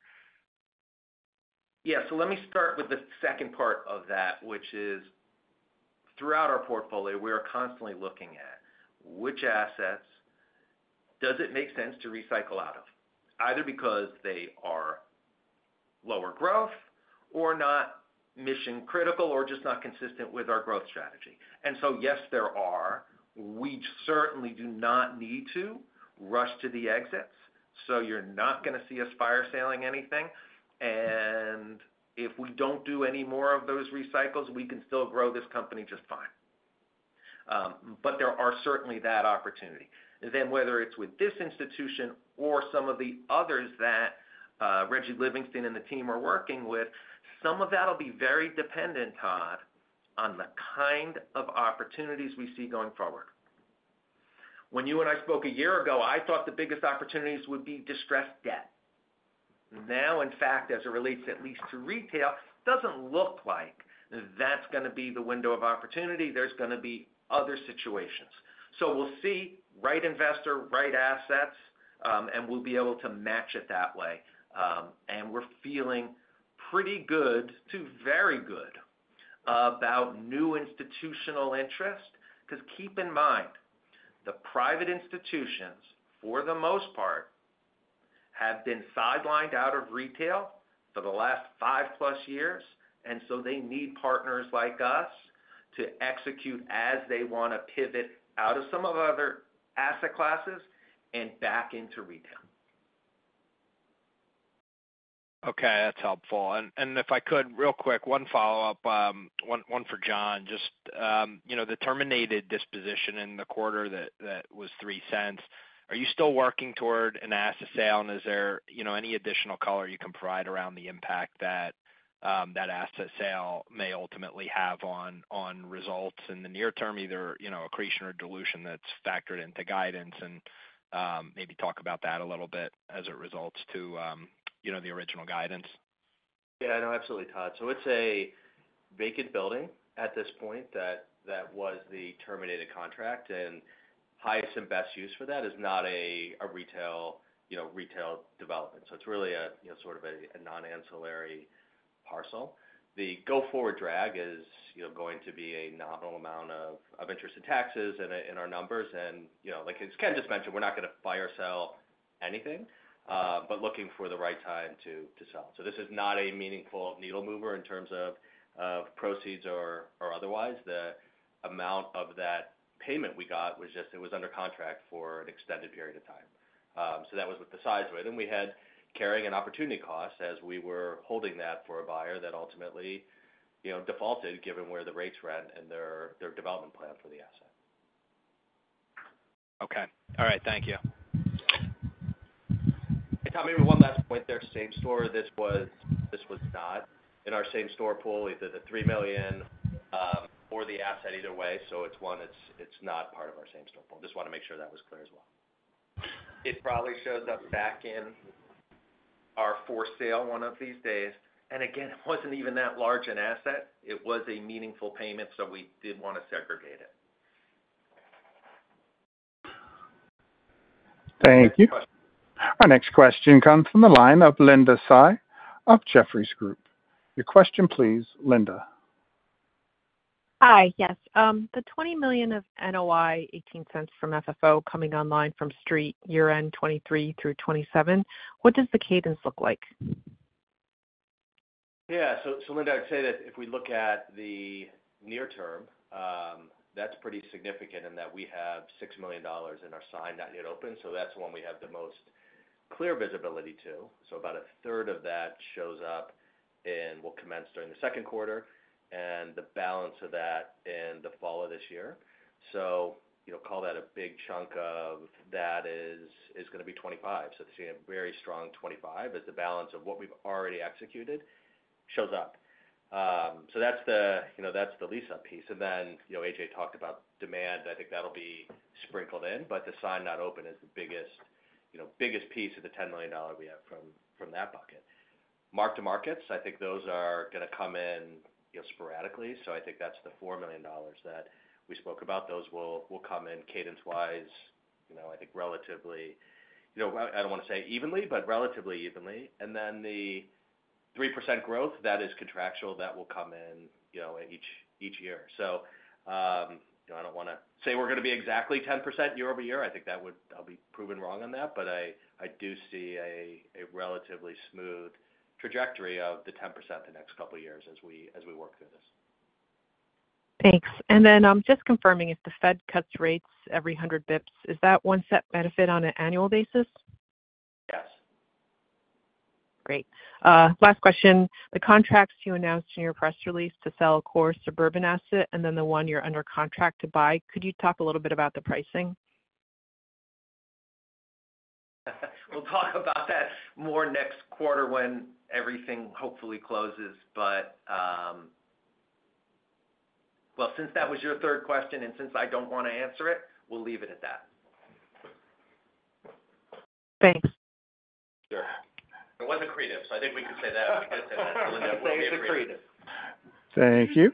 Yeah. So let me start with the second part of that, which is, throughout our portfolio, we are constantly looking at which assets does it make sense to recycle out of, either because they are lower growth or not mission-critical or just not consistent with our growth strategy. And so, yes, there are. We certainly do not need to rush to the exits, so you're not gonna see us fire-selling anything. And if we don't do any more of those recycles, we can still grow this company just fine. But there are certainly that opportunity. Then, whether it's with this institution or some of the others that, Reggie Livingston and the team are working with, some of that'll be very dependent on the kind of opportunities we see going forward. When you and I spoke a year ago, I thought the biggest opportunities would be distressed debt. Now, in fact, as it relates at least to retail, doesn't look like that's gonna be the window of opportunity. There's gonna be other situations. So we'll see, right investor, right assets, and we'll be able to match it that way. And we're feeling pretty good to very good about new institutional interest. Because keep in mind, the private institutions, for the most part, have been sidelined out of retail for the last 5+ years, and so they need partners like us to execute as they want to pivot out of some of other asset classes and back into retail. Okay, that's helpful. And if I could, real quick, one follow-up, one for John. Just, you know, the terminated disposition in the quarter that was $0.03, are you still working toward an asset sale? And is there, you know, any additional color you can provide around the impact that that asset sale may ultimately have on results in the near-term, either, you know, accretion or dilution that's factored into guidance? And maybe talk about that a little bit as it results to, you know, the original guidance. Yeah, no, absolutely, Todd. So it's a vacant building at this point that was the terminated contract, and highest and best use for that is not a retail, you know, retail development. So it's really, you know, sort of a non-ancillary parcel. The go-forward drag is, you know, going to be a nominal amount of interest and taxes in our numbers. And, you know, like, as Ken just mentioned, we're not gonna buy or sell anything, but looking for the right time to sell. So this is not a meaningful needle mover in terms of proceeds or otherwise. The amount of that payment we got was just it was under contract for an extended period of time. So that was with the sideways, then we had carrying an opportunity cost as we were holding that for a buyer that ultimately, you know, defaulted, given where the rates were at and their development plan for the asset. Okay. All right, thank you. Todd, maybe one last point there. Same store, this was not in our same store pool, either the $3 million or the asset, either way. So it's not part of our same store pool. Just want to make sure that was clear as well. It probably shows up back in our for sale one of these days. And again, it wasn't even that large an asset. It was a meaningful payment, so we did want to segregate it. Thank you. Our next question comes from the line of Linda Tsai of Jefferies Group. Your question, please, Linda. Hi. Yes. The $20 million of NOI, $0.18 from FFO coming online from street year-end 2023 through 2027, what does the cadence look like? Yeah. So, Linda, I'd say that if we look at the near-term, that's pretty significant in that we have $6 million in our signed, not yet open. So that's one we have the most clear visibility to. So about 1/3 of that shows up and will commence during the second quarter, and the balance of that in the fall of this year. So, you know, call that a big chunk of that is gonna be 2025. So it's a very strong 2025, as the balance of what we've already executed shows up. So that's the, you know, that's the lease-up piece. And then, you know, A.J.. .talked about demand. I think that'll be sprinkled in, but the signed not open is the biggest, you know, biggest piece of the $10 million we have from, from that bucket. Mark-to-market, I think those are gonna come in, you know, sporadically. So I think that's the $4 million that we spoke about. Those will come in cadence-wise, you know, I think relatively, you know, I don't want to say evenly, but relatively evenly. And then the 3% growth, that is contractual, that will come in, you know, each year. So, you know, I don't want to say we're gonna be exactly 10% year-over-year. I think that would. I'll be proven wrong on that, but I do see a relatively smooth trajectory of the 10% the next couple of years as we work through this. Thanks. And then, just confirming, if the Fed cuts rates every 100 basis points, is that 1% benefit on an annual basis? Yes. Great. Last question. The contracts you announced in your press release to sell a core suburban asset and then the one you're under contract to buy, could you talk a little bit about the pricing? We'll talk about that more next quarter when everything hopefully closes. But... Well, since that was your third question, and since I don't want to answer it, we'll leave it at that. Thanks. Sure. It was accretive, so I think we can say that. We can say that, Linda. It was accretive. Thank you.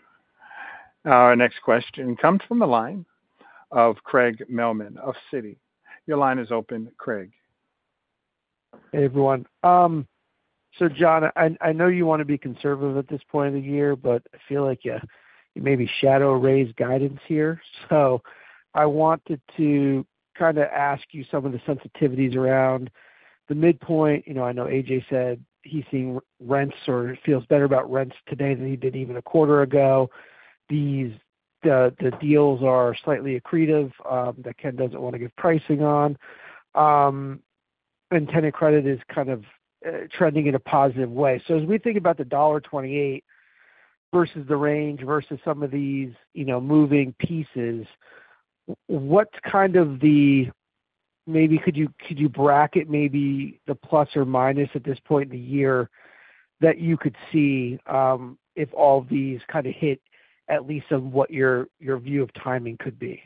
Our next question comes from the line of Craig Mailman of Citi. Your line is open, Craig. Hey, everyone. So John, I know you want to be conservative at this point of the year, but I feel like you may be shadow raised guidance here. So I wanted to kind of ask you some of the sensitivities around the midpoint. You know, I know A.J. said he's seeing rents or feels better about rents today than he did even a quarter ago. These deals are slightly accretive, that Ken doesn't want to give pricing on, and tenant credit is kind of trending in a positive way. So as we think about the $128 versus the range, versus some of these, you know, moving pieces, what's kind of the-... Maybe could you, could you bracket maybe the plus or minus at this point in the year that you could see if all these kind of hit at least on what your view of timing could be?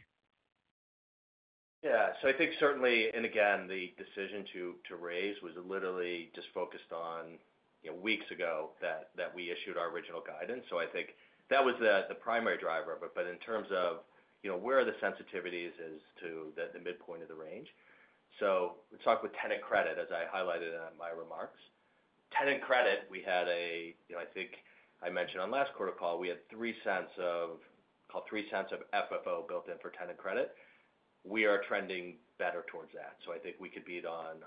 Yeah. So I think certainly, and again, the decision to raise was literally just focused on, you know, weeks ago that we issued our original guidance. So I think that was the primary driver of it. But in terms of, you know, where are the sensitivities is to the midpoint of the range. So we talked with tenant credit, as I highlighted in my remarks. Tenant credit, we had a, you know, I think I mentioned on last quarter call, we had $0.03 of FFO built in for tenant credit. We are trending better towards that, so I think we could beat on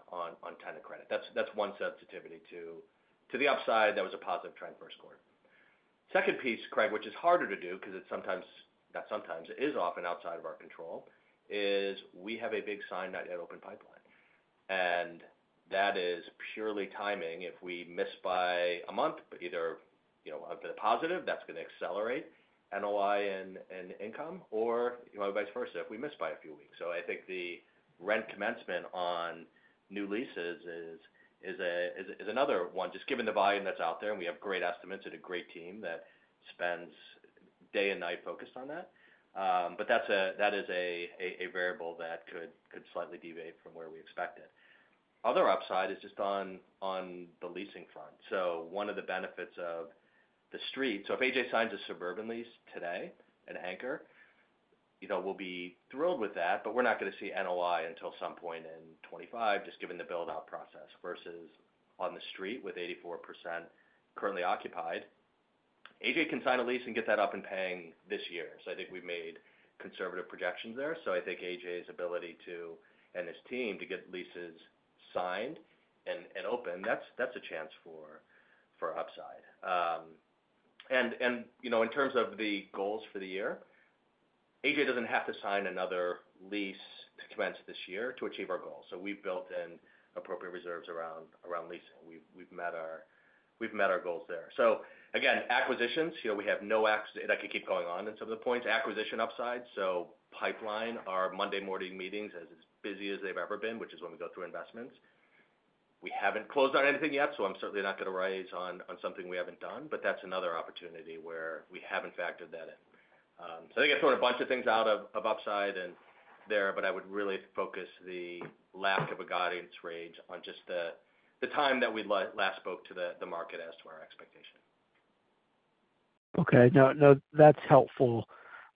tenant credit. That's one sensitivity to the upside, that was a positive trend first quarter. Second piece, Craig, which is harder to do because it's sometimes, not sometimes, it is often outside of our control, is we have a big signed-not-yet-open pipeline, and that is purely timing. If we miss by a month, but either, you know, a bit of positive, that's going to accelerate NOI and income, or, you know, vice versa, if we miss by a few weeks. So I think the rent commencement on new leases is another one, just given the volume that's out there, and we have great estimates and a great team that spends day and night focused on that. But that's a variable that could slightly deviate from where we expected. Other upside is just on the leasing front. So one of the benefits of the street... So if A.J. signs a suburban lease today, an anchor, you know, we'll be thrilled with that, but we're not going to see NOI until some point in 2025, just given the build-out process, versus on the street, with 84% currently occupied. A.J. can sign a lease and get that up and paying this year. So I think we've made conservative projections there. So I think A.J.'s ability to, and his team, to get leases signed and open, that's a chance for upside. And you know, in terms of the goals for the year, A.J. doesn't have to sign another lease to commence this year to achieve our goals. So we've built in appropriate reserves around leasing. We've met our goals there. So again, acquisitions, you know, we have no. I could keep going on in some of the points. Acquisition upside, so pipeline, our Monday morning meetings as busy as they've ever been, which is when we go through investments. We haven't closed on anything yet, so I'm certainly not going to raise on, on something we haven't done, but that's another opportunity where we haven't factored that in. So I think I've thrown a bunch of things out of, of upside and there, but I would really focus the lack of a guidance range on just the, the time that we last spoke to the, the market as to our expectation. Okay. No, no, that's helpful.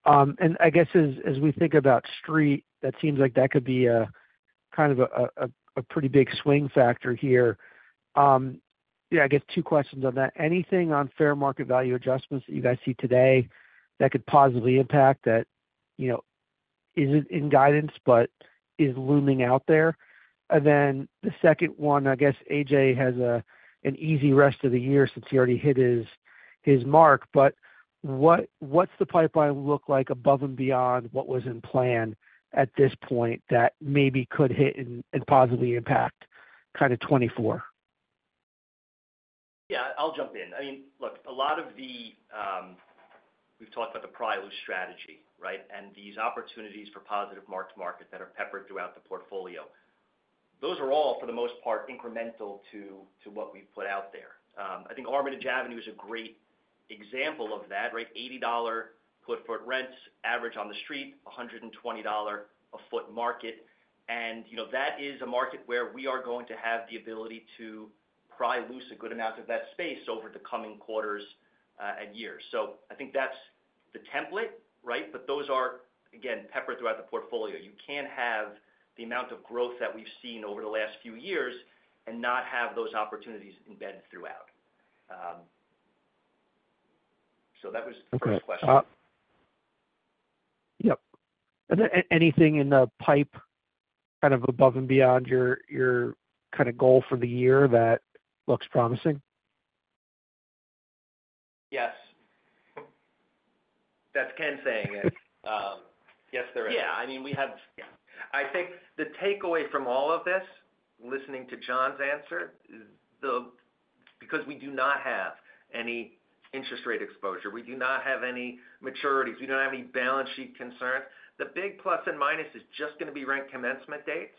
And I guess as we think about street, that seems like that could be kind of a pretty big swing factor here. Yeah, I guess two questions on that. Anything on fair market value adjustments that you guys see today that could positively impact that, you know, isn't in guidance but is looming out there? And then the second one, I guess A.J. has an easy rest of the year since he already hit his mark, but what's the pipeline look like above and beyond what was in plan at this point that maybe could hit and positively impact kind of 2024? Yeah, I'll jump in. I mean, look, a lot of the, we've talked about the Pry Loose Strategy, right? And these opportunities for positive mark-to-market that are peppered throughout the portfolio. Those are all, for the most part, incremental to what we've put out there. I think Armitage Avenue is a great example of that, right? $80 per sq ft rents, average on the street, $120 per sq ft market. And, you know, that is a market where we are going to have the ability to pry loose a good amount of that space over the coming quarters and years. So I think that's the template, right? But those are, again, peppered throughout the portfolio. You can't have the amount of growth that we've seen over the last few years and not have those opportunities embedded throughout. So that was the first question. Okay. Yep. Anything in the pipe, kind of above and beyond your, your kind of goal for the year that looks promising? Yes. That's Ken saying it. Yes, there is. Yeah, I mean, Yeah. I think the takeaway from all of this, listening to John's answer, is the... Because we do not have any interest rate exposure, we do not have any maturities, we do not have any balance sheet concerns, the big plus and minus is just going to be rent commencement dates,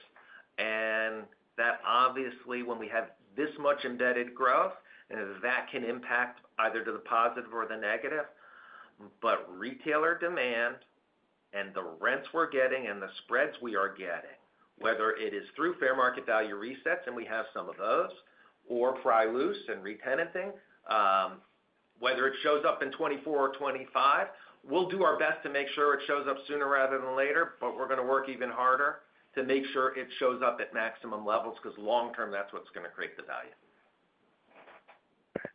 and that obviously, when we have this much embedded growth, and that can impact either to the positive or the negative. But retailer demand and the rents we're getting and the spreads we are getting, whether it is through fair market value resets, and we have some of those, or Pry Loose and re-tenanting, whether it shows up in 2024 or 2025, we'll do our best to make sure it shows up sooner rather than later, but we're going to work even harder to make sure it shows up at maximum levels, because long term, that's what's going to create the value.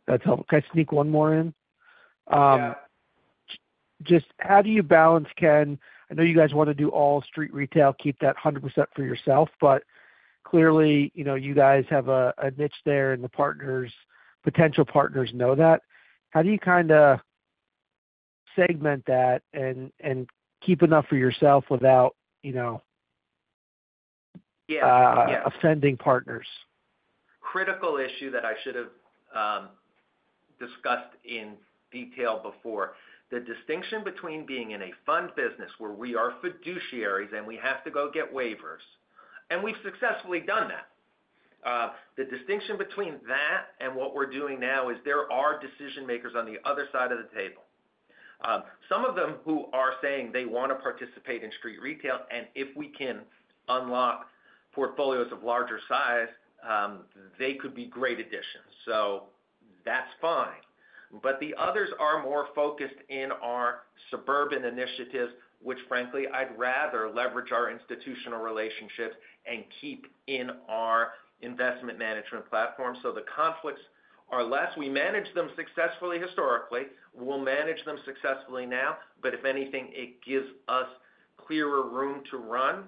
That's helpful. Can I sneak one more in? Yeah. Just how do you balance, Ken? I know you guys want to do all street retail, keep that 100% for yourself, but clearly, you know, you guys have a niche there, and the potential partners know that. How do you kinda segment that and keep enough for yourself without, you know- Yeah, yeah... offending partners? Critical issue that I should have,... discussed in detail before. The distinction between being in a fund business where we are fiduciaries and we have to go get waivers, and we've successfully done that. The distinction between that and what we're doing now is there are decision-makers on the other side of the table. Some of them who are saying they want to participate in street retail, and if we can unlock portfolios of larger size, they could be great additions, so that's fine. But the others are more focused in our suburban initiatives, which frankly, I'd rather leverage our institutional relationships and keep in our investment management platform. So the conflicts are less. We managed them successfully historically. We'll manage them successfully now, but if anything, it gives us clearer room to run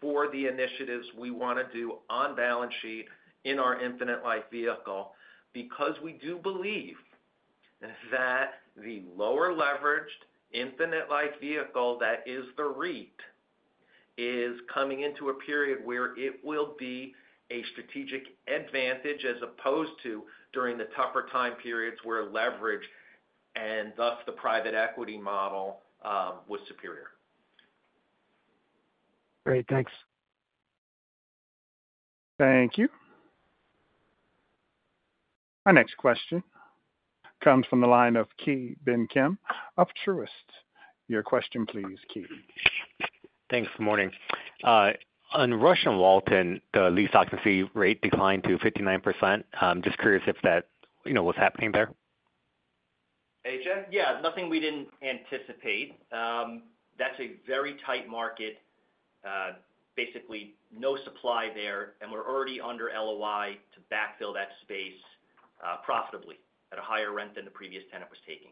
for the initiatives we want to do on balance sheet in our infinite-life vehicle. Because we do believe that the lower leveraged, infinite-life vehicle, that is the REIT, is coming into a period where it will be a strategic advantage, as opposed to during the tougher time periods where leverage, and thus the private equity model, was superior. Great, thanks. Thank you. Our next question comes from the line of Ki Bin Kim of Truist. Your question, please, Ki. Thanks. Morning. On Rush and Walton, the lease occupancy rate declined to 59%. Just curious if that, you know, what's happening there? A.J.? Yeah, nothing we didn't anticipate. That's a very tight market. Basically, no supply there, and we're already under LOI to backfill that space, profitably at a higher rent than the previous tenant was taking.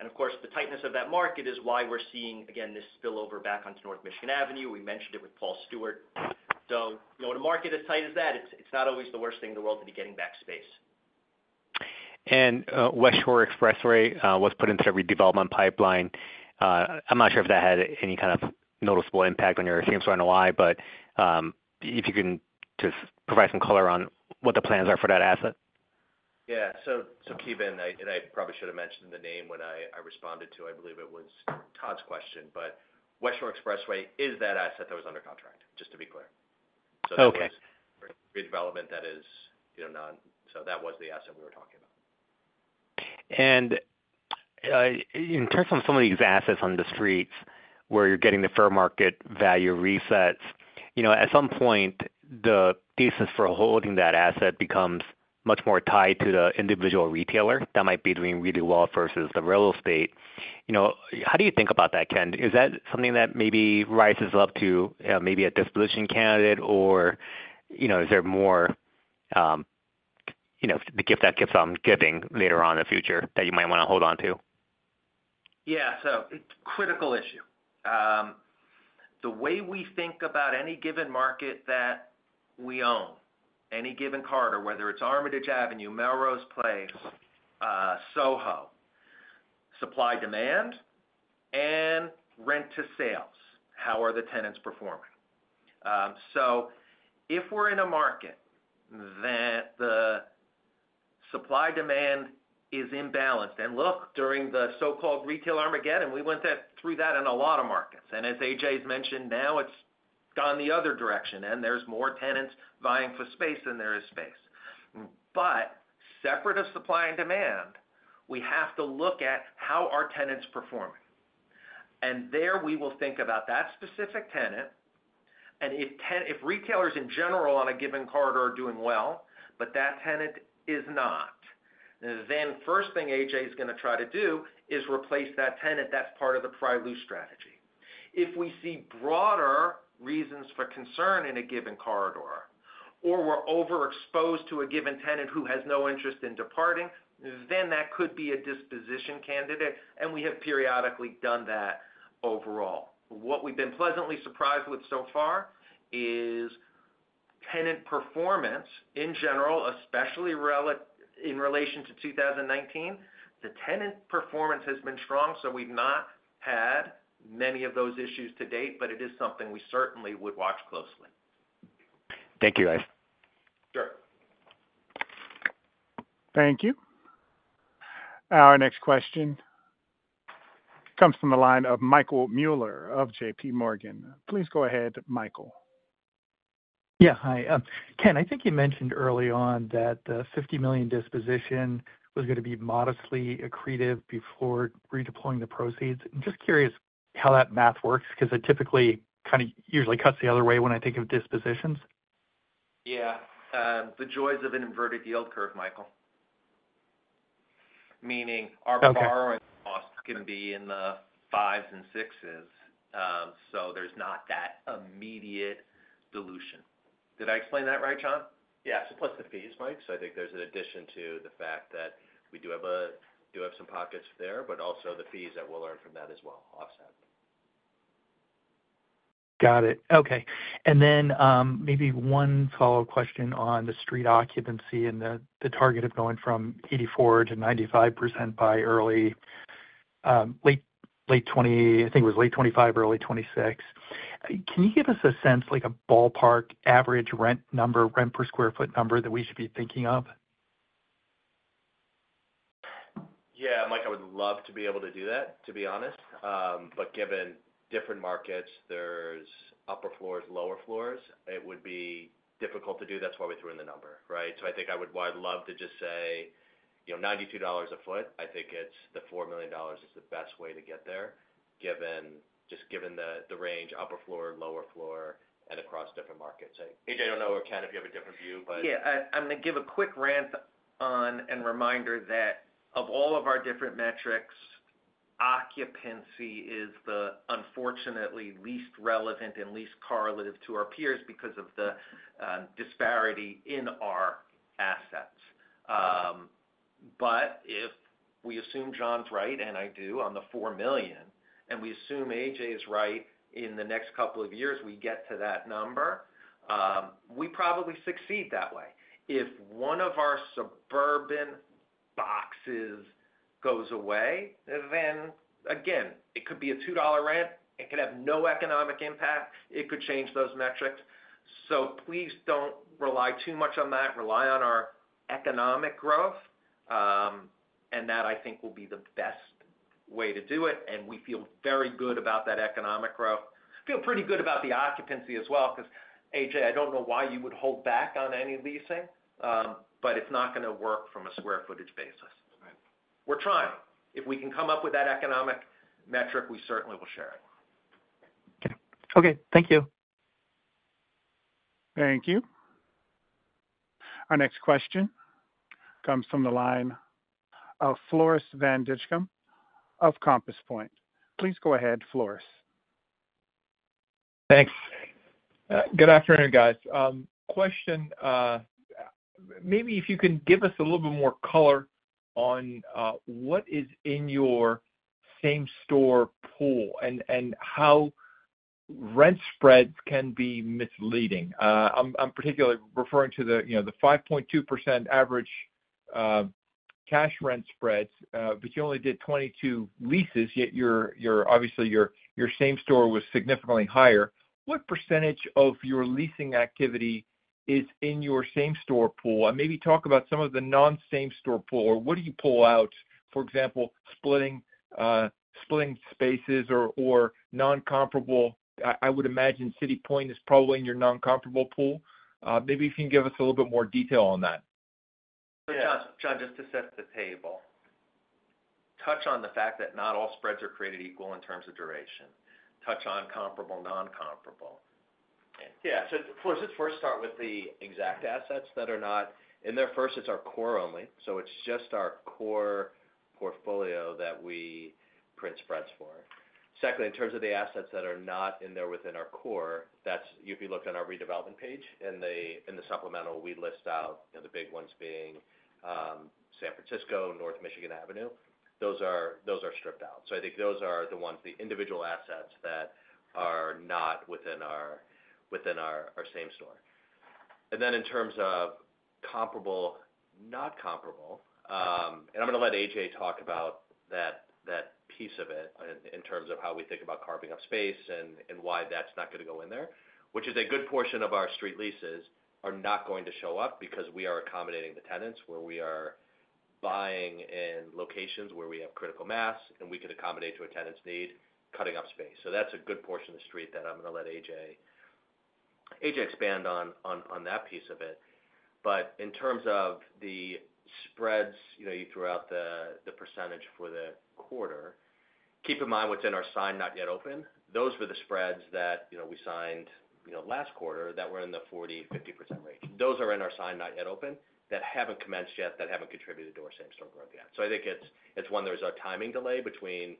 And of course, the tightness of that market is why we're seeing, again, this spillover back onto North Michigan Avenue. We mentioned it with Paul Stuart. So, you know, in a market as tight as that, it's, it's not always the worst thing in the world to be getting back space. West Shore Expressway was put into a redevelopment pipeline. I'm not sure if that had any kind of noticeable impact on your same-store NOI, but if you can just provide some color on what the plans are for that asset. Yeah. So, Ki Bin, and I probably should have mentioned the name when I responded to, I believe it was Todd's question, but West Shore Expressway is that asset that was under contract, just to be clear. Okay. So redevelopment, that is, you know, none. So that was the asset we were talking about. In terms of some of these assets on the streets, where you're getting the fair market value resets, you know, at some point, the thesis for holding that asset becomes much more tied to the individual retailer that might be doing really well versus the real estate. You know, how do you think about that, Ken? Is that something that maybe rises up to maybe a disposition candidate, or, you know, is there more, you know, the gift that keeps on giving later on in the future that you might want to hold on to? Yeah. So it's a critical issue. The way we think about any given market that we own, any given corridor, whether it's Armitage Avenue, Melrose Place, SoHo, supply-demand and rent to sales, how are the tenants performing? So if we're in a market that the supply-demand is imbalanced, and look, during the so-called Retail Armageddon, we went through that in a lot of markets. And as A.J.'s mentioned, now it's gone the other direction, and there's more tenants vying for space than there is space. But separate of supply and demand, we have to look at how are tenants performing. And there, we will think about that specific tenant, and if retailers in general on a given corridor are doing well, but that tenant is not, then first thing A.J. is going to try to do is replace that tenant. That's part of the Pry Loose Strategy. If we see broader reasons for concern in a given corridor, or we're overexposed to a given tenant who has no interest in departing, then that could be a disposition candidate, and we have periodically done that overall. What we've been pleasantly surprised with so far is tenant performance in general, especially in relation to 2019. The tenant performance has been strong, so we've not had many of those issues to date, but it is something we certainly would watch closely. Thank you, guys. Sure. Thank you. Our next question comes from the line of Michael Mueller of JPMorgan. Please go ahead, Michael. Yeah. Hi. Ken, I think you mentioned early on that the $50 million disposition was going to be modestly accretive before redeploying the proceeds. I'm just curious how that math works, because it typically kind of usually cuts the other way when I think of dispositions. Yeah. The joys of an inverted yield curve, Michael. Meaning- Okay. Our borrowing costs can be in the fives and sixes, so there's not that immediate dilution. Did I explain that right, John? Yeah. So plus the fees, Mike. So I think there's an addition to the fact that we do have some pockets there, but also the fees that we'll earn from that as well, offset. Got it. Okay. And then, maybe one follow-up question on the street occupancy and the target of going from 84%-95% by late 20, I think it was late 2025, early 2026. Can you give us a sense, like a ballpark average rent number, rent per square foot number that we should be thinking of? Yeah, Mike, I would love to be able to do that, to be honest. But given different markets, there's upper floors, lower floors, it would be difficult to do. That's why we threw in the number, right? So I think I would—while I'd love to just say, you know, $92 a foot, I think it's the $4 million is the best way to get there, given just the range, upper floor, lower floor, and across different markets. A.J., I don't know, or Ken, if you have a different view, but- Yeah, I'm going to give a quick rant on and reminder that of all of our different metrics, occupancy is the unfortunately least relevant and least correlative to our peers because of the disparity in our assets. But if we assume John's right, and I do, on the $4 million, and we assume A.J. is right, in the next couple of years, we get to that number, we probably succeed that way. If one of our suburban boxes goes away, then again, it could be a $2 rent, it could have no economic impact, it could change those metrics. So please don't rely too much on that. Rely on our economic growth, and that, I think, will be the best way to do it, and we feel very good about that economic growth. Feel pretty good about the occupancy as well, because, A.J., I don't know why you would hold back on any leasing, but it's not going to work from a square footage basis. Right. We're trying. If we can come up with that economic metric, we certainly will share it. Okay. Thank you. Thank you. Our next question comes from the line of Floris van Dijkum of Compass Point. Please go ahead, Floris. Thanks. Good afternoon, guys. Question, maybe if you can give us a little bit more color on what is in your same-store pool and how rent spreads can be misleading. I'm particularly referring to, you know, the 5.2% average cash rent spreads, but you only did 22 leases, yet your, obviously, your same store was significantly higher. What percentage of your leasing activity is in your same-store pool? And maybe talk about some of the non-same-store pool, or what do you pull out, for example, splitting spaces or non-comparable. I would imagine City Point is probably in your non-comparable pool. Maybe if you can give us a little bit more detail on that. Yeah, John, just to set the table, touch on the fact that not all spreads are created equal in terms of duration. Touch on comparable, non-comparable. Yeah. So Floris, let's first start with the exact assets that are not in there. First, it's our core only, so it's just our core portfolio that we print spreads for. Secondly, in terms of the assets that are not in there within our core, that's, if you look on our redevelopment page, in the supplemental, we list out, you know, the big ones being San Francisco, North Michigan Avenue. Those are stripped out. So I think those are the ones, the individual assets that are not within our same store. And then in terms of comparable, not comparable, and I'm going to let A.J. talk about that, that piece of it in, in terms of how we think about carving up space and, and why that's not going to go in there, which is a good portion of our street leases are not going to show up because we are accommodating the tenants, where we are buying in locations where we have critical mass, and we could accommodate to a tenant's need, cutting up space. So that's a good portion of the street that I'm going to let A.J., A.J. expand on, on, on that piece of it. But in terms of the spreads, you know, you threw out the, the percentage for the quarter. Keep in mind what's in our signed not yet open. Those were the spreads that, you know, we signed, you know, last quarter that were in the 40%-50% range. Those are in our signed, not yet open, that haven't commenced yet, that haven't contributed to our same-store growth yet. So I think it's, it's one, there's a timing delay between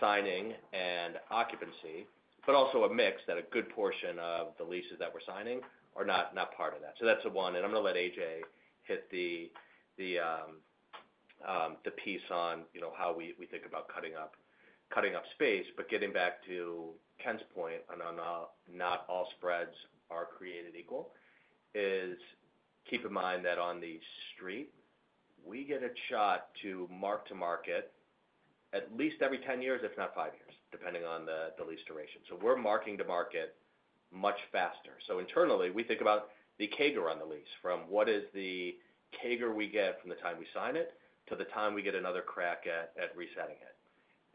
signing and occupancy, but also a mix that a good portion of the leases that we're signing are not, not part of that. So that's the one, and I'm going to let A.J. hit the, the, the piece on, you know, how we, we think about cutting up, cutting up space. But getting back to Ken's point on, on, not all spreads are created equal, is keep in mind that on the street, we get a shot to mark-to-market at least every 10 years, if not five years, depending on the, the lease duration. So we're marking to market much faster. So internally, we think about the CAGR on the lease, from what is the CAGR we get from the time we sign it to the time we get another crack at resetting it.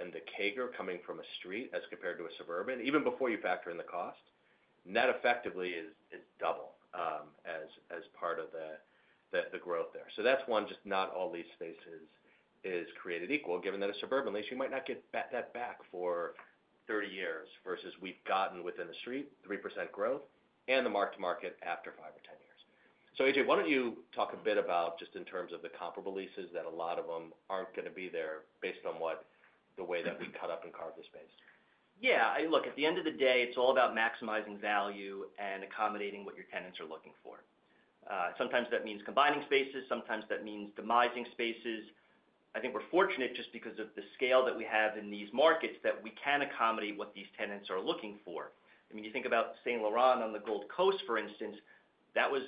And the CAGR coming from a street as compared to a suburban, even before you factor in the cost, net effectively is double, as part of the growth there. So that's one, just not all lease spaces is created equal, given that a suburban lease, you might not get that back for 30 years, versus we've gotten within the street, 3% growth and the mark-to-market after five or 10 years. So, A.J., why don't you talk a bit about just in terms of the comparable leases, that a lot of them aren't going to be there based on what, the way that we cut up and carve the space. Yeah, look, at the end of the day, it's all about maximizing value and accommodating what your tenants are looking for. Sometimes that means combining spaces, sometimes that means demising spaces. I think we're fortunate just because of the scale that we have in these markets, that we can accommodate what these tenants are looking for. I mean, you think about Saint Laurent on the Gold Coast, for instance, that was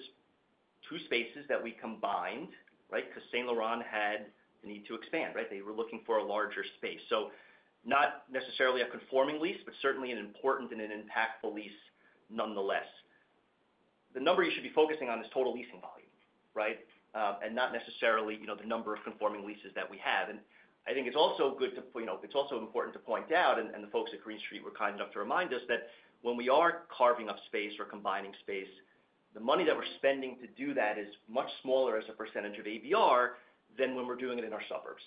two spaces that we combined, right? Because Saint Laurent had the need to expand, right? They were looking for a larger space. So not necessarily a conforming lease, but certainly an important and an impactful lease nonetheless. The number you should be focusing on is total leasing volume, right? And not necessarily, you know, the number of conforming leases that we have. I think it's also good to, you know, it's also important to point out, and the folks at Green Street were kind enough to remind us, that when we are carving up space or combining space, the money that we're spending to do that is much smaller as a percentage of ABR than when we're doing it in our suburbs.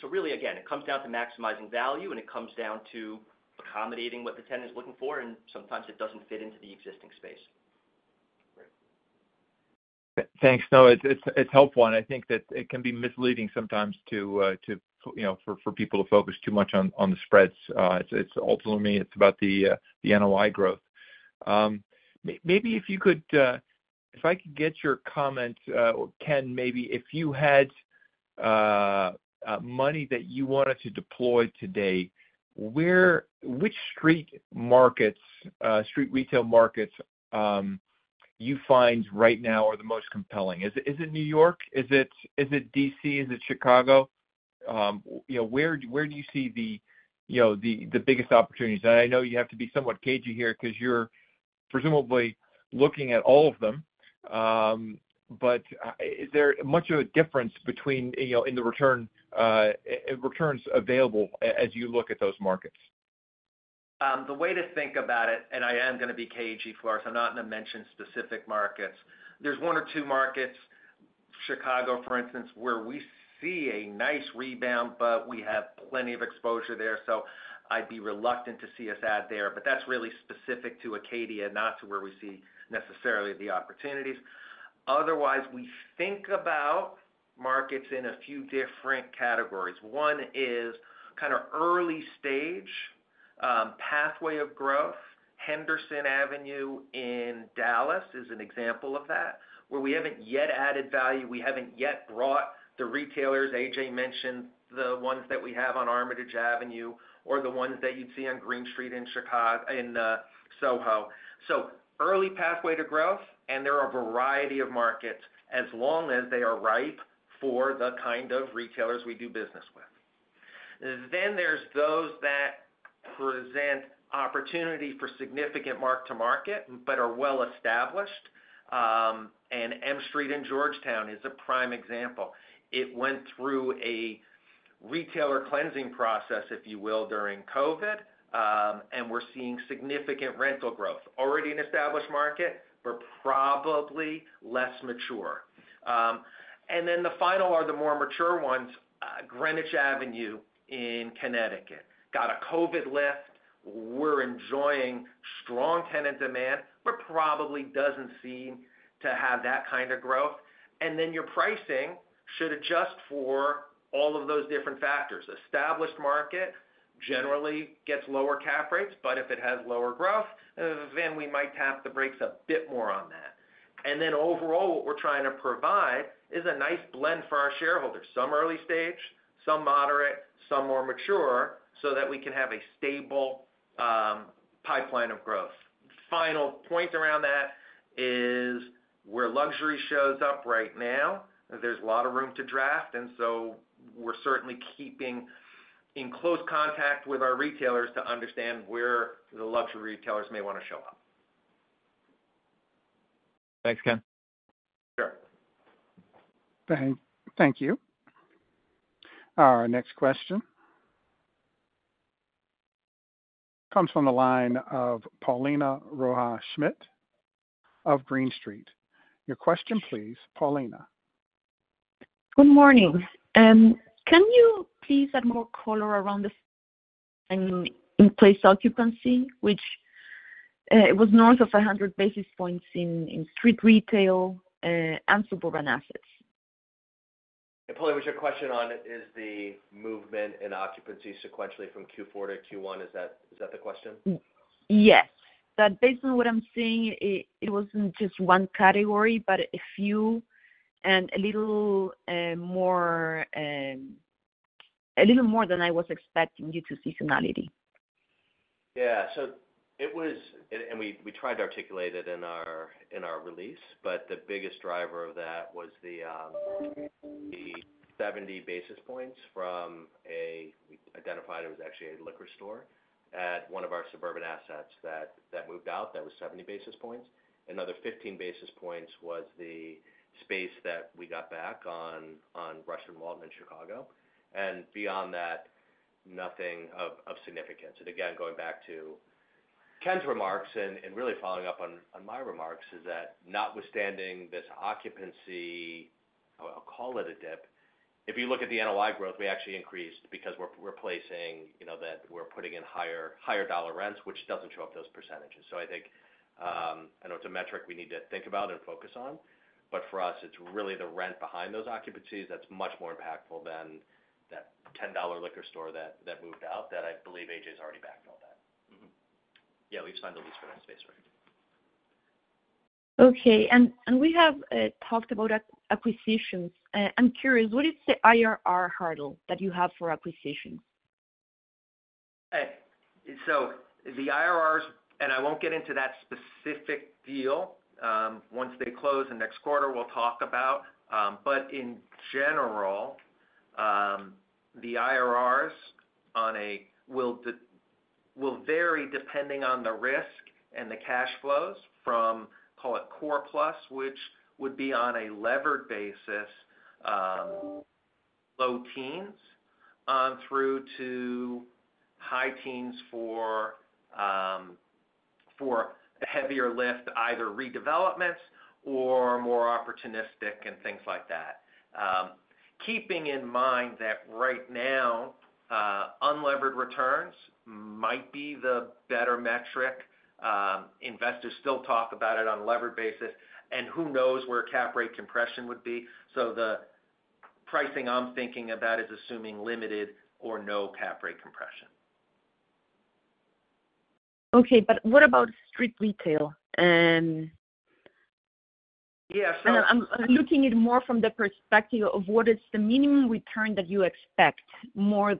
So really, again, it comes down to maximizing value, and it comes down to accommodating what the tenant is looking for, and sometimes it doesn't fit into the existing space. Great. Thanks. No, it's helpful, and I think that it can be misleading sometimes to, you know, for people to focus too much on the spreads. It's ultimately about the NOI growth. Maybe if you could, if I could get your comment, Ken, maybe if you had money that you wanted to deploy today, which street markets, street retail markets, you find right now are the most compelling? Is it New York? Is it D.C.? Is it Chicago? You know, where do you see the biggest opportunities? And I know you have to be somewhat cagey here because you're presumably looking at all of them. Is there much of a difference between, you know, in the return, returns available as you look at those markets? The way to think about it, and I am gonna be cagey, Flora, so I'm not gonna mention specific markets. There's one or two markets, Chicago, for instance, where we see a nice rebound, but we have plenty of exposure there, so I'd be reluctant to see us add there. But that's really specific to Acadia, not to where we see necessarily the opportunities. Otherwise, we think about markets in a few different categories. One is kind of early stage, pathway of growth. Henderson Avenue in Dallas is an example of that, where we haven't yet added value, we haven't yet brought the retailers. A.J. mentioned the ones that we have on Armitage Avenue, or the ones that you'd see on Green Street in Chicago, in SoHo. So early pathway to growth, and there are a variety of markets as long as they are ripe for the kind of retailers we do business with. Then there's those that present opportunity for significant mark-to-market, but are well established. And M Street in Georgetown is a prime example. It went through a retailer cleansing process, if you will, during COVID, and we're seeing significant rental growth. Already an established market, but probably less mature. And then the final are the more mature ones. Greenwich Avenue in Connecticut. Got a COVID lift. We're enjoying strong tenant demand, but probably doesn't seem to have that kind of growth. And then your pricing should adjust for all of those different factors. Established market generally gets lower cap rates, but if it has lower growth, then we might tap the brakes a bit more on that. Then overall, what we're trying to provide is a nice blend for our shareholders, some early stage, some moderate, some more mature, so that we can have a stable pipeline of growth. Final point around that is where luxury shows up right now, there's a lot of room to draft, and so we're certainly keeping in close contact with our retailers to understand where the luxury retailers may want to show up. Thanks, Ken. Sure. Thank you. Our next question comes from the line of Paulina Rojas Schmidt of Green Street. Your question, please, Paulina. Good morning. Can you please add more color around the in-place occupancy, which it was north of 100 basis points in street retail and suburban assets? Hey, Paulina, was your question on is the movement in occupancy sequentially from Q4 to Q1? Is that, is that the question? Yes. But based on what I'm seeing, it wasn't just one category, but a few and a little more than I was expecting due to seasonality. Yeah. So it was. And we tried to articulate it in our release, but the biggest driver of that was the 70 basis points from—we identified it was actually a liquor store at one of our suburban assets that moved out. That was 70 basis points. Another 15 basis points was the space that we got back on Rush and Walton in Chicago. And beyond that, nothing of significance. And again, going back to Ken's remarks and really following up on my remarks, is that notwithstanding this occupancy, I'll call it a dip, if you look at the NOI growth, we actually increased because we're replacing, you know, that we're putting in higher dollar rents, which doesn't show up those percentages. I think, I know it's a metric we need to think about and focus on, but for us, it's really the rent behind those occupancies that's much more impactful than that $10 liquor store that moved out, that I believe A.J.'s already backfilled that. Mm-hmm. Yeah, we've signed the lease for that space, right? Okay. And we have talked about acquisitions. I'm curious, what is the IRR hurdle that you have for acquisitions?... Hey, so the IRRs, and I won't get into that specific deal. Once they close the next quarter, we'll talk about, but in general, the IRRs on a will vary depending on the risk and the cash flows from, call it core-plus, which would be on a levered basis, low-teens through to high-teens for the heavier lift, either redevelopments or more opportunistic and things like that. Keeping in mind that right now, unlevered returns might be the better metric. Investors still talk about it on a levered basis, and who knows where cap rate compression would be. So the pricing I'm thinking about is assuming limited or no cap rate compression. Okay, but what about street retail and— Yeah, so- I'm looking at it more from the perspective of what is the minimum return that you expect, more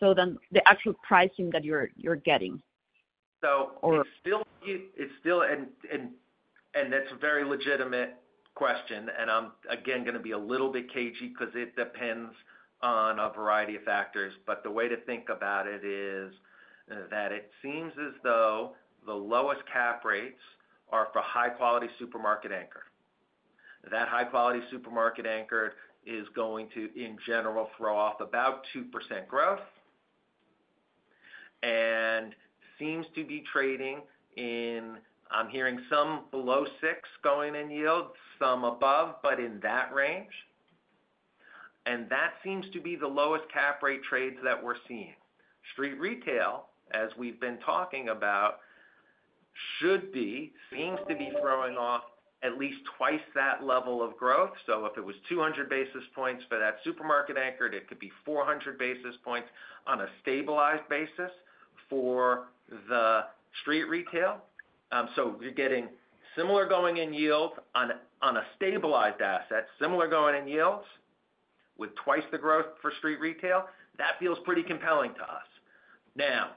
so than the actual pricing that you're getting. So- Or- That's a very legitimate question, and I'm again gonna be a little bit cagey because it depends on a variety of factors. But the way to think about it is that it seems as though the lowest cap rates are for high-quality supermarket anchor. That high-quality supermarket anchor is going to, in general, throw off about 2% growth, and seems to be trading in... I'm hearing some below six, going-in yield, some above, but in that range, and that seems to be the lowest cap rate trades that we're seeing. Street retail, as we've been talking about, should be, seems to be throwing off at least twice that level of growth. So if it was 200 basis points for that supermarket anchor, it could be 400 basis points on a stabilized basis for the street retail. So you're getting similar going-in yields on a stabilized asset, similar going-in yields, with twice the growth for street retail. That feels pretty compelling to us. Now,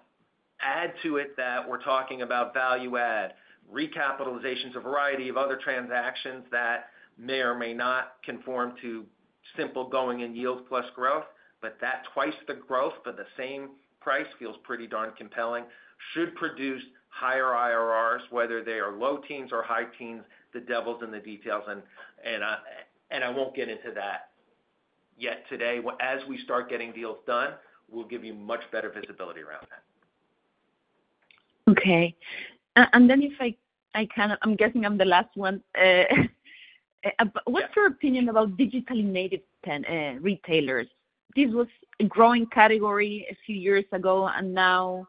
add to it that we're talking about value add, recapitalizations, a variety of other transactions that may or may not conform to simple going-in yields plus growth, but that twice the growth for the same price feels pretty darn compelling. Should produce higher IRRs, whether they are low-teens or high-teens, the devil's in the details, and I won't get into that yet today. As we start getting deals done, we'll give you much better visibility around that. Okay. And then if I can, I'm guessing I'm the last one. What's your opinion about digitally native tenants, retailers? This was a growing category a few years ago, and now,...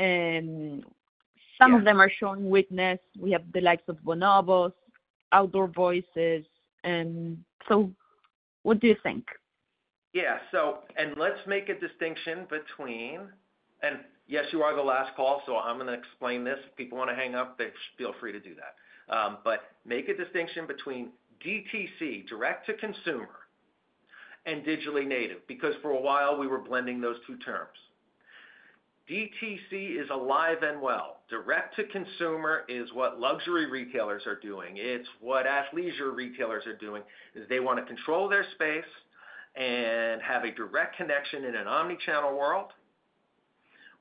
some of them are showing weakness. We have the likes of Bonobos, Outdoor Voices, and so what do you think? Yeah, so, and let's make a distinction between, and yes, you are the last call, so I'm going to explain this. If people want to hang up, they feel free to do that. But make a distinction between DTC, direct-to-consumer, and digitally native, because for a while, we were blending those two terms. DTC is alive and well. Direct-to-consumer is what luxury retailers are doing, it's what athleisure retailers are doing, is they want to control their space and have a direct connection in an omnichannel world,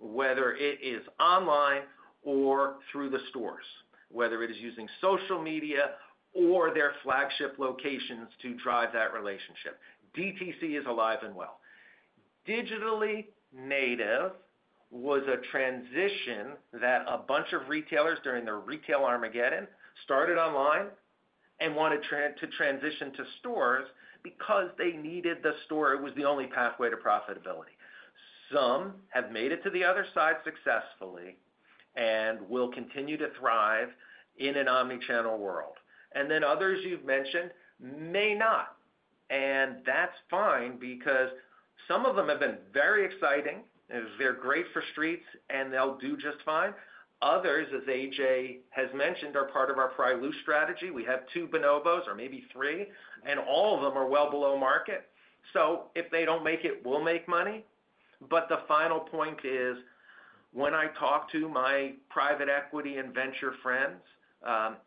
whether it is online or through the stores, whether it is using social media or their flagship locations to drive that relationship. DTC is alive and well. Digitally native was a transition that a bunch of retailers, during the retail Armageddon, started online and wanted to transition to stores because they needed the store. It was the only pathway to profitability. Some have made it to the other side successfully and will continue to thrive in an omnichannel world. And then others you've mentioned, may not, and that's fine because some of them have been very exciting. They're great for streets, and they'll do just fine. Others, as A.J. has mentioned, are part of our Pry Loose Strategy. We have two Bonobos, or maybe three, and all of them are well below market. So if they don't make it, we'll make money. But the final point is, when I talk to my private equity and venture friends,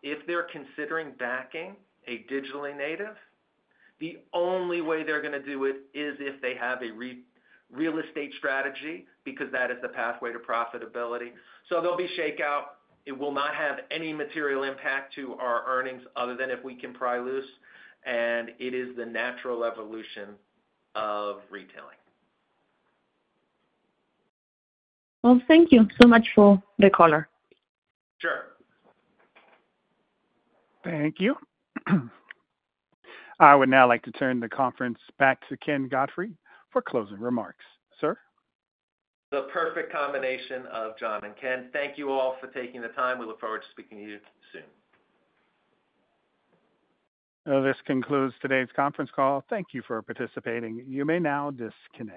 if they're considering backing a digitally native, the only way they're gonna do it is if they have a real estate strategy, because that is the pathway to profitability. So there'll be shakeout. It will not have any material impact to our earnings other than if we can pry loose, and it is the natural evolution of retailing. Well, thank you so much for the color. Sure. Thank you. I would now like to turn the conference back to Ken Bernstein for closing remarks. Sir? The perfect combination of John and Ken. Thank you all for taking the time. We look forward to speaking to you soon. This concludes today's conference call. Thank you for participating. You may now disconnect.